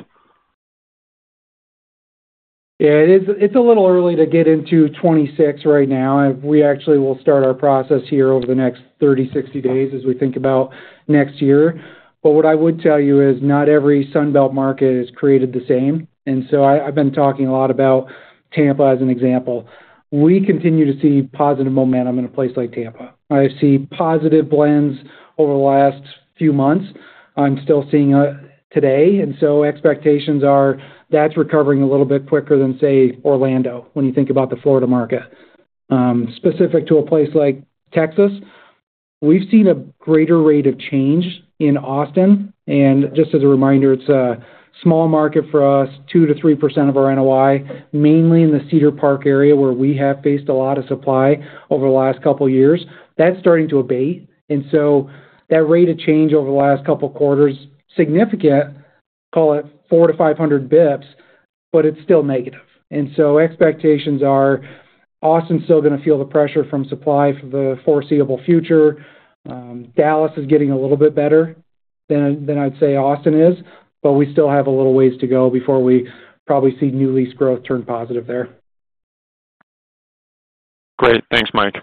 Yeah, it's a little early to get into 2026 right now. We actually will start our process here over the next 30 to 60 days as we think about next year. What I would tell you is not every Sunbelt market is created the same. I've been talking a lot about Tampa as an example. We continue to see positive momentum in a place like Tampa. I see positive blends over the last few months. I'm still seeing today. Expectations are that's recovering a little bit quicker than, say, Orlando when you think about the Florida market. Specific to a place like Texas, we've seen a greater rate of change in Austin. Just as a reminder, it's a small market for us, 2%-3% of our NOI, mainly in the Cedar Park area where we have faced a lot of supply over the last couple of years. That's starting to abate. That rate of change over the last couple of quarters is significant, call it 400 to 500 bps, but it's still negative. Expectations are Austin's still going to feel the pressure from supply for the foreseeable future. Dallas is getting a little bit better than I'd say Austin is, but we still have a little ways to go before we probably see new lease growth turn positive there. Great. Thanks, Mike.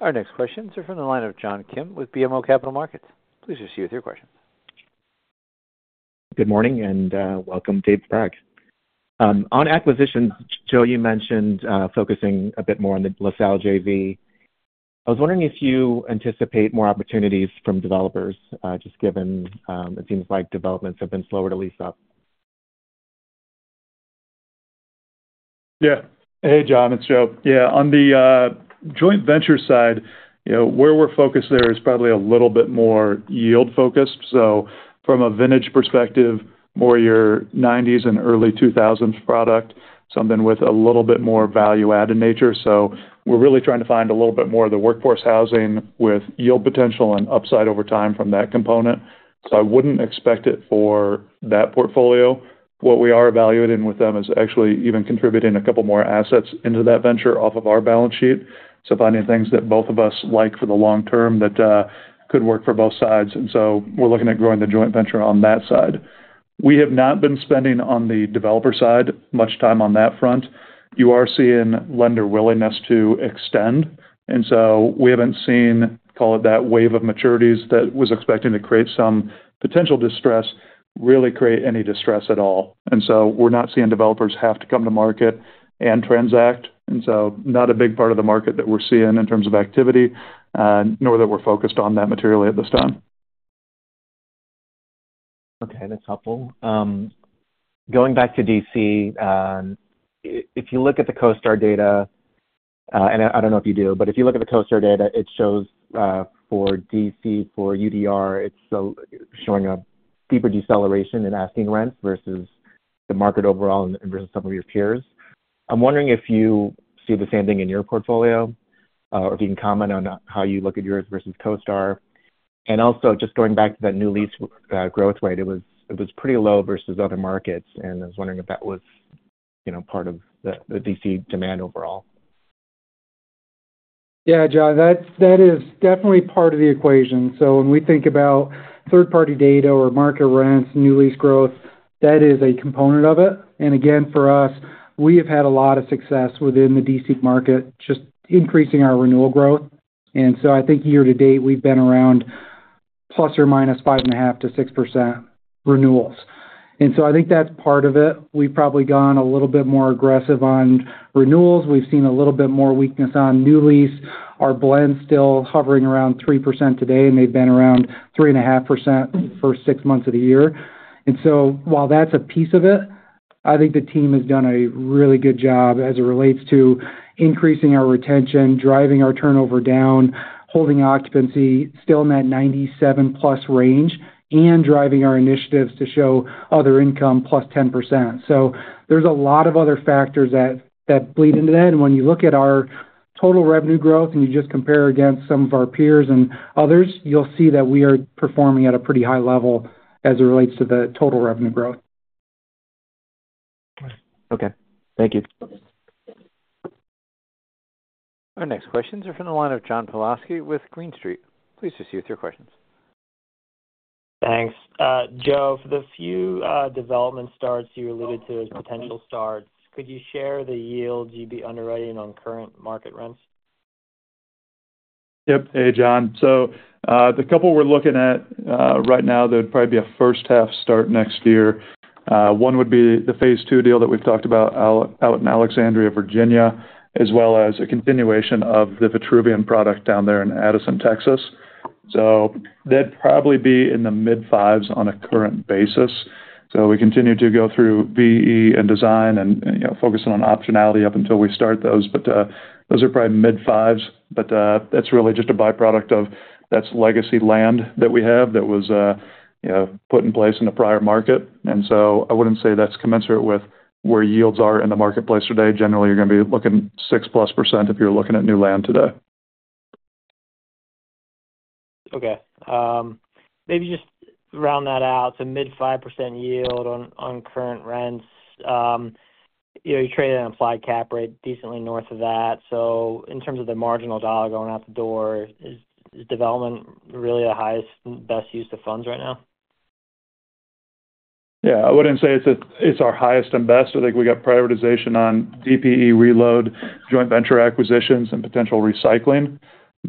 Our next questions are from the line of John Kim with BMO Capital Markets. Please proceed with your questions. Good morning and welcome, Dave Bragg. On acquisitions, Joe, you mentioned focusing a bit more on the LaSalle JV. I was wondering if you anticipate more opportunities from developers, just given it seems like developments have been slower to lease up. Yeah. Hey, John, it's Joe. On the joint venture side, where we're focused there is probably a little bit more yield-focused. From a vintage perspective, more your 1990s and early 2000s product, something with a little bit more value-added nature. We're really trying to find a little bit more of the workforce housing with yield potential and upside over time from that component. I wouldn't expect it for that portfolio. What we are evaluating with them is actually even contributing a couple more assets into that venture off of our balance sheet. Finding things that both of us like for the long term that could work for both sides. We're looking at growing the joint venture on that side. We have not been spending on the developer side much time on that front. You are seeing lender willingness to extend. We haven't seen, call it that wave of maturities that was expecting to create some potential distress, really create any distress at all. We're not seeing developers have to come to market and transact. Not a big part of the market that we're seeing in terms of activity, nor that we're focused on that materially at this time. Okay. That's helpful. Going back to DC, if you look at the Coast Guard data, and I don't know if you do, but if you look at the Coast Guard data, it shows for DC for UDR, it's showing a deeper deceleration in asking rents versus the market overall versus some of your peers. I'm wondering if you see the same thing in your portfolio, or if you can comment on how you look at yours versus Coast Guard. Also, just going back to that new lease growth rate, it was pretty low versus other markets. I was wondering if that was part of the DC demand overall. Yeah, John, that is definitely part of the equation. When we think about third-party data or market rents, new lease growth, that is a component of it. For us, we have had a lot of success within the DC market, just increasing our renewal growth. I think year to date, we've been around plus or minus 5.5%-6% renewals. I think that's part of it. We've probably gone a little bit more aggressive on renewals. We've seen a little bit more weakness on new lease. Our blend is still hovering around 3% today, and they've been around 3.5% for six months of the year. While that's a piece of it, I think the team has done a really good job as it relates to increasing our retention, driving our turnover down, holding occupancy still in that 97% plus range, and driving our initiatives to show other income plus 10%. There are a lot of other factors that bleed into that. When you look at our total revenue growth and you just compare against some of our peers and others, you'll see that we are performing at a pretty high level as it relates to the total revenue growth. Okay. Thank you. Our next questions are from the line of John Pawlowski with Green Street. Please proceed with your questions. Thanks. Joe, for the few development starts you alluded to as potential starts, could you share the yields you'd be underwriting on current market rents? Yep. Hey, John. The couple we're looking at right now, there'd probably be a first-half start next year. One would be the phase two deal that we've talked about out in Alexandria, Virginia, as well as a continuation of the Vitruvian product down there in Addison, Texas. They'd probably be in the mid-5% on a current basis. We continue to go through VE and design and focus on optionality up until we start those. Those are probably mid-5%. That's really just a byproduct of legacy land that we have that was put in place in a prior market. I wouldn't say that's commensurate with where yields are in the marketplace today. Generally, you're going to be looking at 6+% if you're looking at new land today. Okay. Maybe just round that out to mid-5% yield on current rents. You trade an applied cap rate decently north of that. In terms of the marginal dollar going out the door, is development really the highest and best use of funds right now? Yeah. I wouldn't say it's our highest and best. I think we got prioritization on DPE reload, joint venture acquisitions, and potential recycling.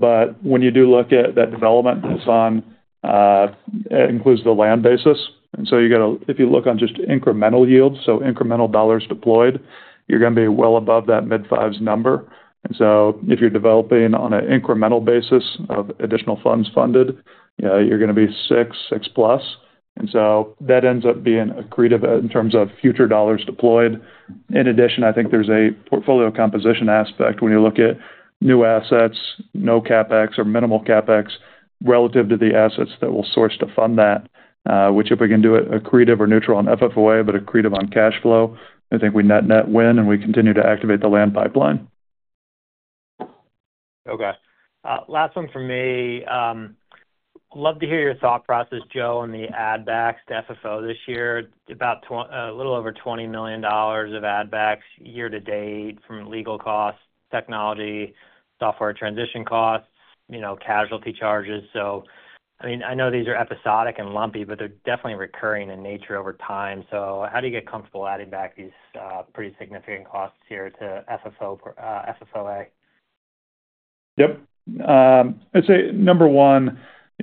When you do look at that development that's on, it includes the land basis. If you look on just incremental yields, so incremental dollars deployed, you're going to be well above that mid-5% number. If you're developing on an incremental basis of additional funds funded, you're going to be 6%, 6% plus. That ends up being accretive in terms of future dollars deployed. In addition, I think there's a portfolio composition aspect when you look at new assets, no CapEx or minimal CapEx relative to the assets that will source to fund that, which if we can do it accretive or neutral on FFOA, but accretive on cash flow, I think we net-net win and we continue to activate the land pipeline. Okay. Last one for me. Love to hear your thought process, Joe, on the add-backs to FFOA this year. About a little over $20 million of add-backs year to date from legal costs, technology, software transition costs, casualty charges. I know these are episodic and lumpy, but they're definitely recurring in nature over time. How do you get comfortable adding back these pretty significant costs here to FFOA? Yep. I'd say number one,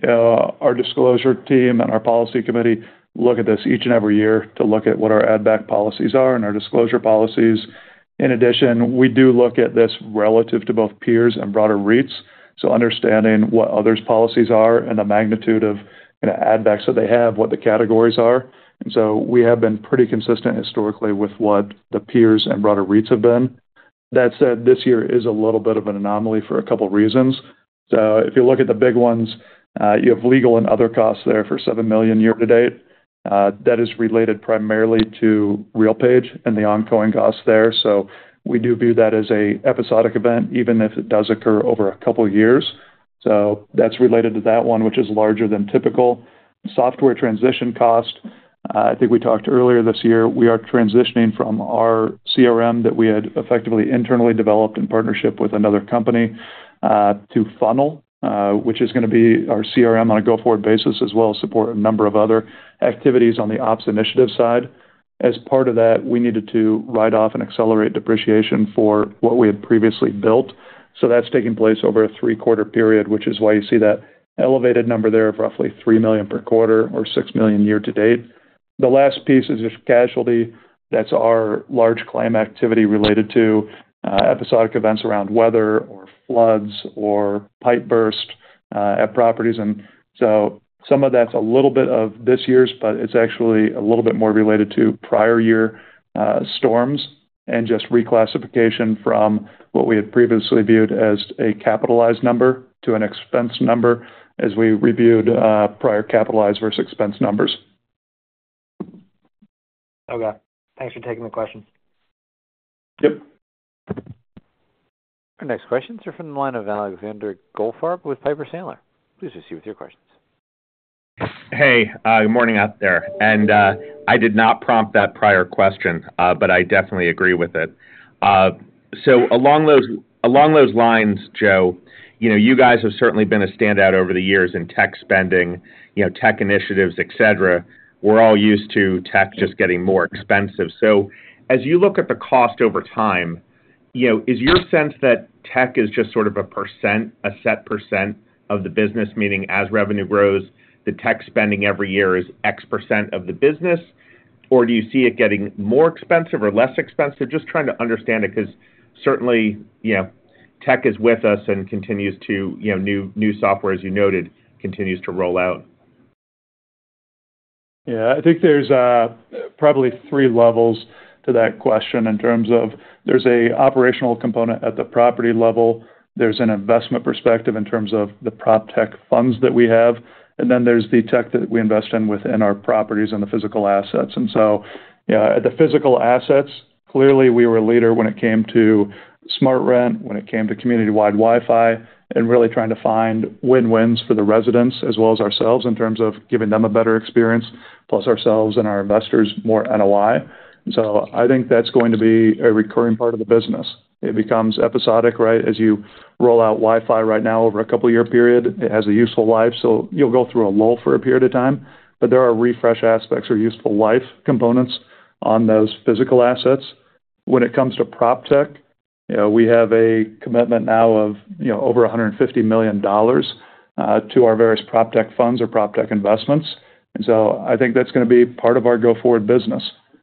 our Disclosure Team and our Policy Committee look at this each and every year to look at what our add-back policies are and our disclosure policies. In addition, we do look at this relative to both peers and broader REITs. Understanding what others' policies are and the magnitude of add-backs that they have, what the categories are. We have been pretty consistent historically with what the peers and broader REITs have been. That said, this year is a little bit of an anomaly for a couple of reasons. If you look at the big ones, you have legal and other costs there for $7 million year to date. That is related primarily to RealPage and the ongoing costs there. We do view that as an episodic event, even if it does occur over a couple of years. That is related to that one, which is larger than typical. Software transition cost, I think we talked earlier this year, we are transitioning from our CRM that we had effectively internally developed in partnership with another company to Funnel, which is going to be our CRM on a go-forward basis, as well as support a number of other activities on the ops initiative side. As part of that, we needed to write off and accelerate depreciation for what we had previously built. That's taking place over a three-quarter period, which is why you see that elevated number there of roughly $3 million per quarter or $6 million year to date. The last piece is just casualty. That's our large claim activity related to episodic events around weather or floods or pipe bursts at properties. Some of that's a little bit of this year's, but it's actually a little bit more related to prior year storms and just reclassification from what we had previously viewed as a capitalized number to an expense number as we reviewed prior capitalized versus expense numbers. Okay, thanks for taking the questions. Yep. Our next questions are from the line of Alexander Goldfarb with Piper Sandler. Please proceed with your questions. Hey, good morning out there. I did not prompt that prior question, but I definitely agree with it. Along those lines, Joe, you guys have certainly been a standout over the years in tech spending, tech initiatives, etc. We're all used to tech just getting more expensive. As you look at the cost over time, is your sense that tech is just sort of a percent, a set % of the business, meaning as revenue grows, the tech spending every year is X % of the business? Or do you see it getting more expensive or less expensive? Just trying to understand it because certainly tech is with us and continues to, new software, as you noted, continues to roll out. Yeah. I think there's probably three levels to that question in terms of there's an operational component at the property level. There's an investment perspective in terms of the proptech funds that we have. Then there's the tech that we invest in within our properties and the physical assets. At the physical assets, clearly we were a leader when it came to smart rent, when it came to community-wide Wi-Fi, and really trying to find win-wins for the residents as well as ourselves in terms of giving them a better experience, plus ourselves and our investors more NOI. I think that's going to be a recurring part of the business. It becomes episodic, right? As you roll out Wi-Fi right now over a couple-year period, it has a useful life. You'll go through a lull for a period of time, but there are refresh aspects or useful life components on those physical assets. When it comes to proptech, we have a commitment now of over $150 million to our various proptech funds or proptech investments. I think that's going to be part of our go-forward business.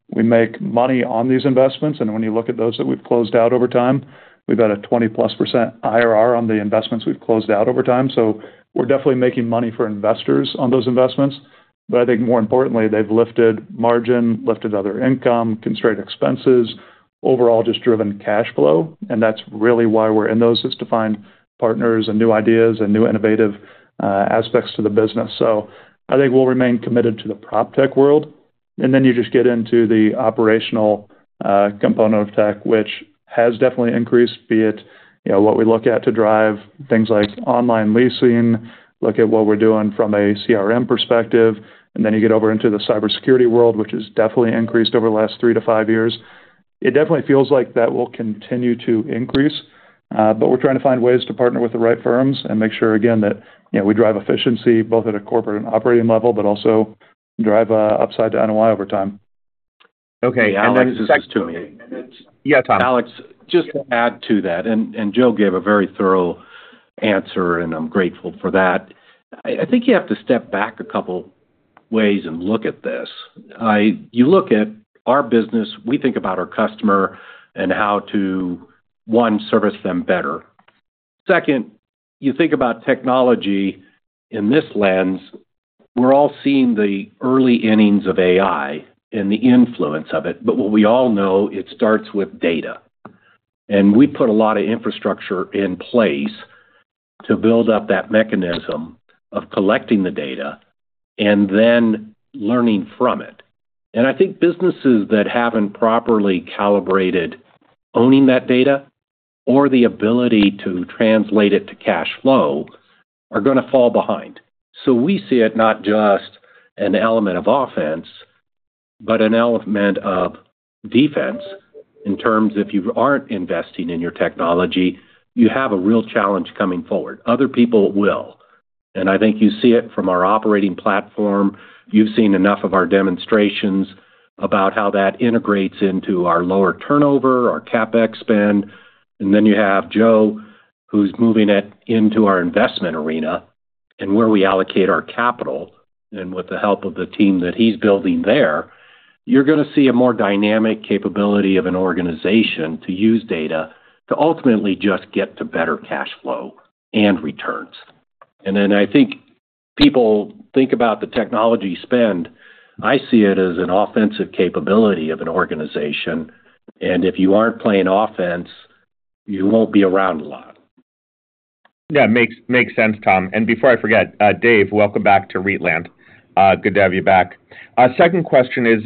We make money on these investments, and when you look at those that we've closed out over time, we've got a 20+% IRR on the investments we've closed out over time. We're definitely making money for investors on those investments. I think more importantly, they've lifted margin, lifted other income, constrained expenses, overall just driven cash flow. That's really why we're in those, to find partners and new ideas and new innovative aspects to the business. I think we'll remain committed to the proptech world. Then you just get into the operational component of tech, which has definitely increased, be it what we look at to drive things like online leasing, look at what we're doing from a CRM perspective. You get over into the cybersecurity world, which has definitely increased over the last three to five years. It definitely feels like that will continue to increase. We're trying to find ways to partner with the right firms and make sure, again, that we drive efficiency both at a corporate and operating level, but also drive upside to NOI over time. Okay, Alex, it's next to me. Yeah, Tom. Alex, just to add to that. Joe gave a very thorough answer, and I'm grateful for that. I think you have to step back a couple of ways and look at this. You look at our business, we think about our customer and how to, one, service them better. Second, you think about technology in this lens. We're all seeing the early innings of AI and the influence of it. What we all know is it starts with data. We put a lot of infrastructure in place to build up that mechanism of collecting the data and then learning from it. I think businesses that haven't properly calibrated owning that data or the ability to translate it to cash flow are going to fall behind. We see it not just as an element of offense, but an element of defense in terms if you aren't investing in your technology. have a real challenge coming forward. Other people will. I think you see it from our operating platform. You've seen enough of our demonstrations about how that integrates into our lower turnover, our CapEx spend. You have Joe, who's moving it into our investment arena and where we allocate our capital. With the help of the team that he's building there, you're going to see a more dynamic capability of an organization to use data to ultimately just get to better cash flow and returns. I think people think about the technology spend. I see it as an offensive capability of an organization. If you aren't playing offense, you won't be around a lot. Yeah, makes sense, Tom. Before I forget, Dave, welcome back to Reitland. Good to have you back. Second question is,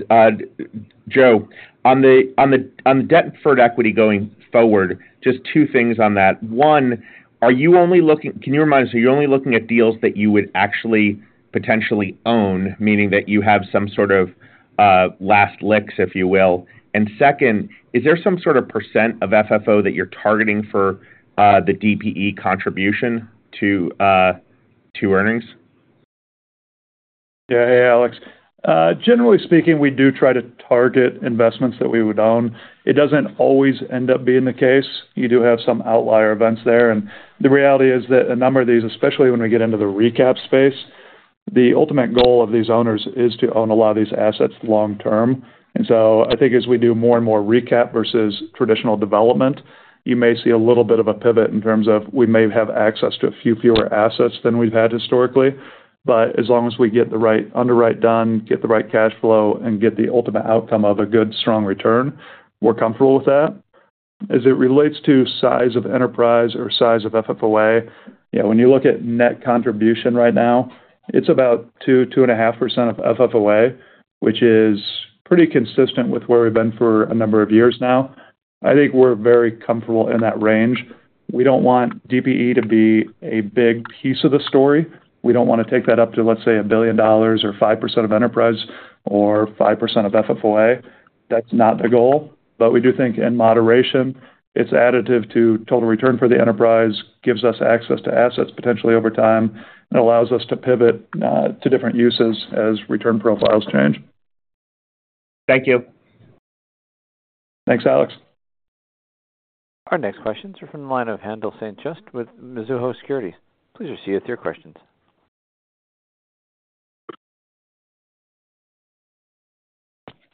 Joe, on the debt for equity going forward, just two things on that. One, are you only looking—can you remind us—are you only looking at deals that you would actually potentially own, meaning that you have some sort of last licks, if you will? Second, is there some sort of % of FFO that you're targeting for the DPE contribution to earnings? Yeah, Alex. Generally speaking, we do try to target investments that we would own. It doesn't always end up being the case. You do have some outlier events there. The reality is that a number of these, especially when we get into the recap space, the ultimate goal of these owners is to own a lot of these assets long term. I think as we do more and more recap versus traditional development, you may see a little bit of a pivot in terms of we may have access to a few fewer assets than we've had historically. As long as we get the right underwrite done, get the right cash flow, and get the ultimate outcome of a good, strong return, we're comfortable with that. As it relates to size of enterprise or size of FFOA, when you look at net contribution right now, it's about 2% to 2.5% of FFOA, which is pretty consistent with where we've been for a number of years now. I think we're very comfortable in that range. We don't want DPE to be a big piece of the story. We don't want to take that up to, let's say, $1 billion or 5% of enterprise or 5% of FFOA. That's not the goal. We do think in moderation, it's additive to total return for the enterprise, gives us access to assets potentially over time, and allows us to pivot to different uses as return profiles change. Thank you. Thanks, Alex. Our next questions are from the line of Haendel St. Juste with Mizuho Securities. Please proceed with your questions.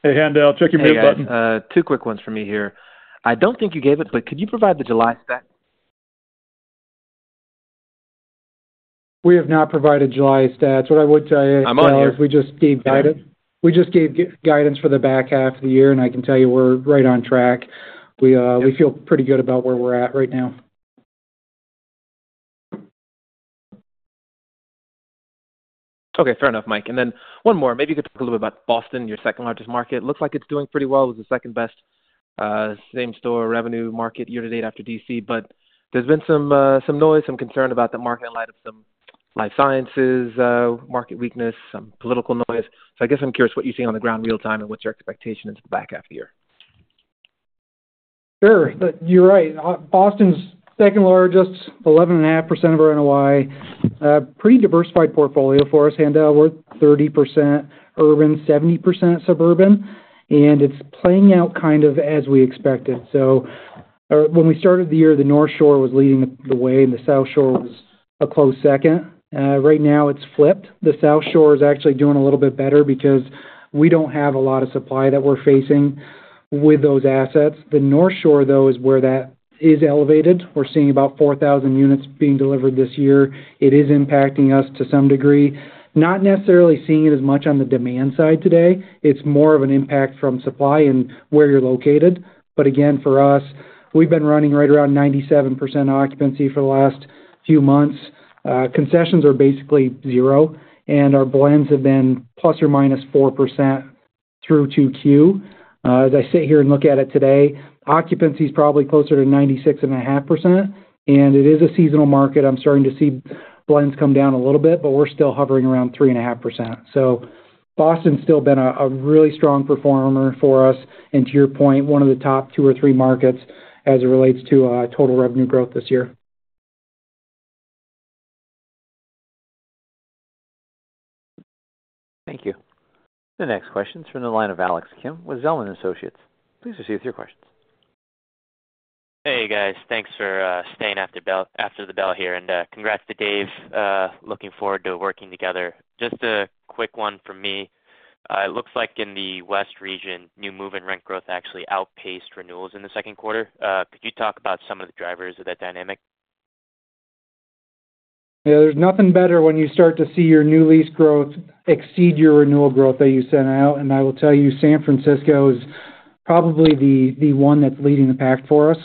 Hey, Haendel, check your mute button. Yeah, two quick ones from me here. I don't think you gave it, but could you provide the July stats? We have not provided July stats. What I would say is. I'm here. We just gave guidance for the back half of the year. I can tell you we're right on track. We feel pretty good about where we're at right now. Okay. Fair enough, Mike. One more. Maybe you could talk a little bit about Boston, your second largest market. Looks like it's doing pretty well. It was the second best same-store revenue market year to date after D.C., but there's been some noise, some concern about the market in light of some life sciences market weakness, some political noise. I guess I'm curious what you see on the ground real time and what's your expectation into the back half of the year. Sure. You're right. Boston's second largest, 11.5% of our NOI. Pretty diversified portfolio for us, Haendel. We're 30% urban, 70% suburban. It's playing out kind of as we expected. When we started the year, the North Shore was leading the way, and the South Shore was a close second. Right now, it's flipped. The South Shore is actually doing a little bit better because we don't have a lot of supply that we're facing with those assets. The North Shore, though, is where that is elevated. We're seeing about 4,000 units being delivered this year. It is impacting us to some degree. Not necessarily seeing it as much on the demand side today. It's more of an impact from supply and where you're located. For us, we've been running right around 97% occupancy for the last few months. Concessions are basically zero. Our blends have been plus or minus 4% through to Q. As I sit here and look at it today, occupancy is probably closer to 96.5%. It is a seasonal market. I'm starting to see blends come down a little bit, but we're still hovering around 3.5%. Boston's still been a really strong performer for us and, to your point, one of the top two or three markets as it relates to total revenue growth this year. Thank you. The next question is from the line of Alex Kim with Zelman Associates. Please proceed with your questions. Hey, guys. Thanks for staying after the bell here, and congrats to Dave. Looking forward to working together. Just a quick one from me. It looks like in the West region, new move-in rent growth actually outpaced renewals in the second quarter. Could you talk about some of the drivers of that dynamic? Yeah. There's nothing better when you start to see your new lease growth exceed your renewal growth that you sent out. I will tell you, San Francisco is probably the one that's leading the pack for us.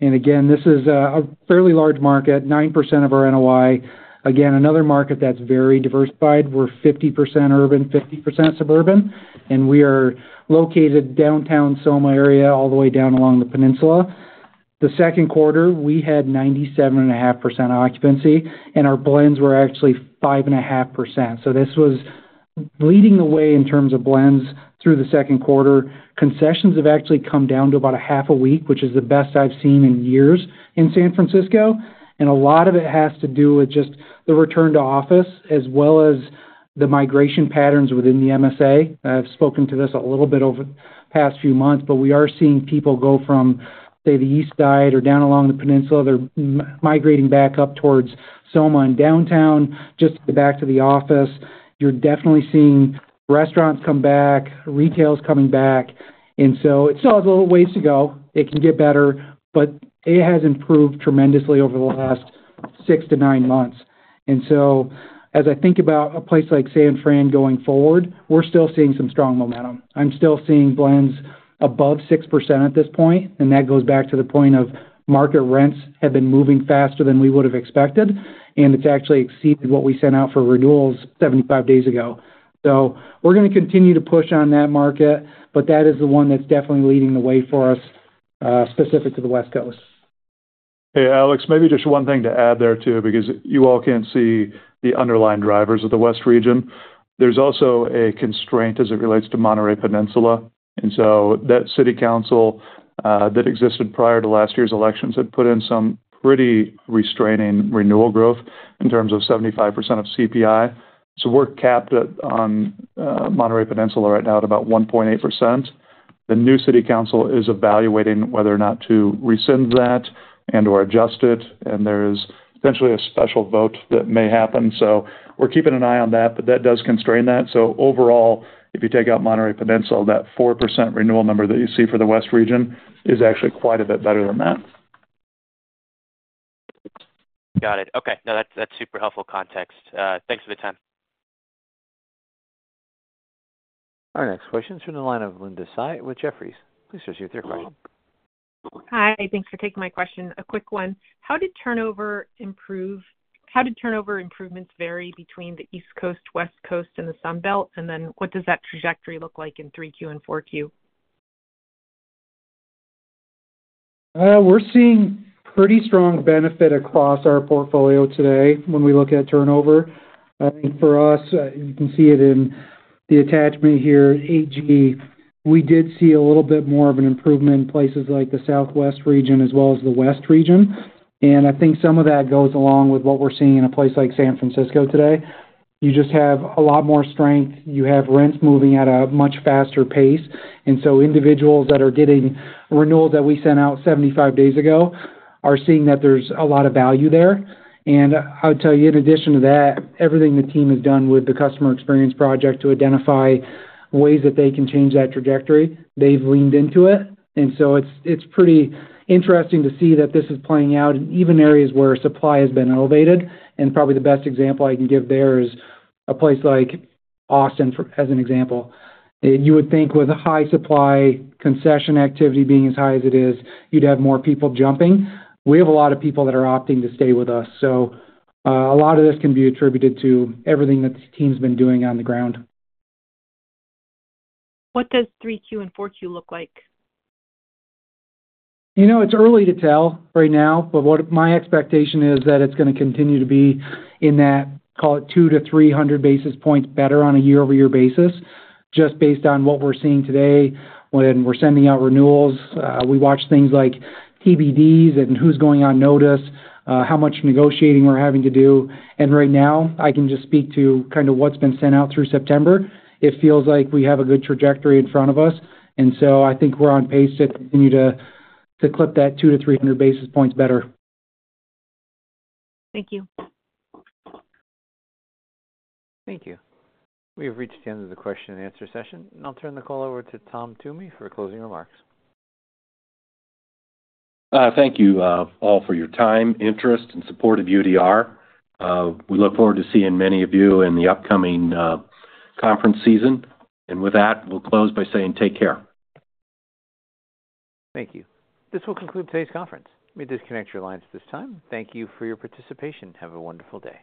This is a fairly large market, 9% of our NOI. Another market that's very diversified. We're 50% urban, 50% suburban. We are located downtown SOMA area all the way down along the peninsula. The second quarter, we had 97.5% occupancy, and our blends were actually 5.5%. This was leading the way in terms of blends through the second quarter. Concessions have actually come down to about a half a week, which is the best I've seen in years in San Francisco. A lot of it has to do with just the return to office as well as the migration patterns within the MSA. I've spoken to this a little bit over the past few months, but we are seeing people go from, say, the East Side or down along the peninsula. They're migrating back up towards SOMA and downtown, just to get back to the office. You're definitely seeing restaurants come back, retail's coming back. It still has a little ways to go. It can get better, but it has improved tremendously over the last six to nine months. As I think about a place like San Francisco going forward, we're still seeing some strong momentum. I'm still seeing blends above 6% at this point. That goes back to the point of market rents have been moving faster than we would have expected. It's actually exceeded what we sent out for renewals 75 days ago. We're going to continue to push on that market, but that is the one that's definitely leading the way for us. Specific to the West Coast. Hey, Alex, maybe just one thing to add there too, because you all can't see the underlying drivers of the West region. There's also a constraint as it relates to Monterey Peninsula. That city council that existed prior to last year's elections had put in some pretty restraining renewal growth in terms of 75% of CPI. We're capped on Monterey Peninsula right now at about 1.8%. The new city council is evaluating whether or not to rescind that and/or adjust it. There is potentially a special vote that may happen. We're keeping an eye on that, but that does constrain that. Overall, if you take out Monterey Peninsula, that 4% renewal number that you see for the West region is actually quite a bit better than that. Got it. Okay, no, that's super helpful context. Thanks for the time. Our next question is from the line of Linda Tsai with Jefferies. Please proceed with your question. Hi. Thanks for taking my question. A quick one. How did turnover improve? How did turnover improvements vary between the East Coast, West Coast, and the Sunbelt? What does that trajectory look like in 3Q and 4Q? We're seeing pretty strong benefit across our portfolio today when we look at turnover. I think for us, you can see it in the attachment here, 8G. We did see a little bit more of an improvement in places like the Southwest region as well as the West Coast region. I think some of that goes along with what we're seeing in a place like San Francisco today. You just have a lot more strength. You have rents moving at a much faster pace. Individuals that are getting renewals that we sent out 75 days ago are seeing that there's a lot of value there. I would tell you, in addition to that, everything the team has done with the customer experience project to identify ways that they can change that trajectory, they've leaned into it. It's pretty interesting to see that this is playing out in even areas where supply has been elevated. Probably the best example I can give there is a place like Austin, as an example. You would think with a high supply, concession activity being as high as it is, you'd have more people jumping. We have a lot of people that are opting to stay with us. A lot of this can be attributed to everything that the team's been doing on the ground. What does 3Q and 4Q look like? It's early to tell right now, but my expectation is that it's going to continue to be in that, call it, 2 to 300 basis points better on a year-over-year basis, just based on what we're seeing today when we're sending out renewals. We watch things like TBDs and who's going on notice, how much negotiating we're having to do. Right now, I can just speak to kind of what's been sent out through September. It feels like we have a good trajectory in front of us. I think we're on pace to continue to clip that 2 to 300 basis points better. Thank you. Thank you. We have reached the end of the question and answer session. I'll turn the call over to Tom Toomey for closing remarks. Thank you all for your time, interest, and support of UDR. We look forward to seeing many of you in the upcoming conference season. With that, we'll close by saying take care. Thank you. This will conclude today's conference. We will disconnect your lines at this time. Thank you for your participation. Have a wonderful day.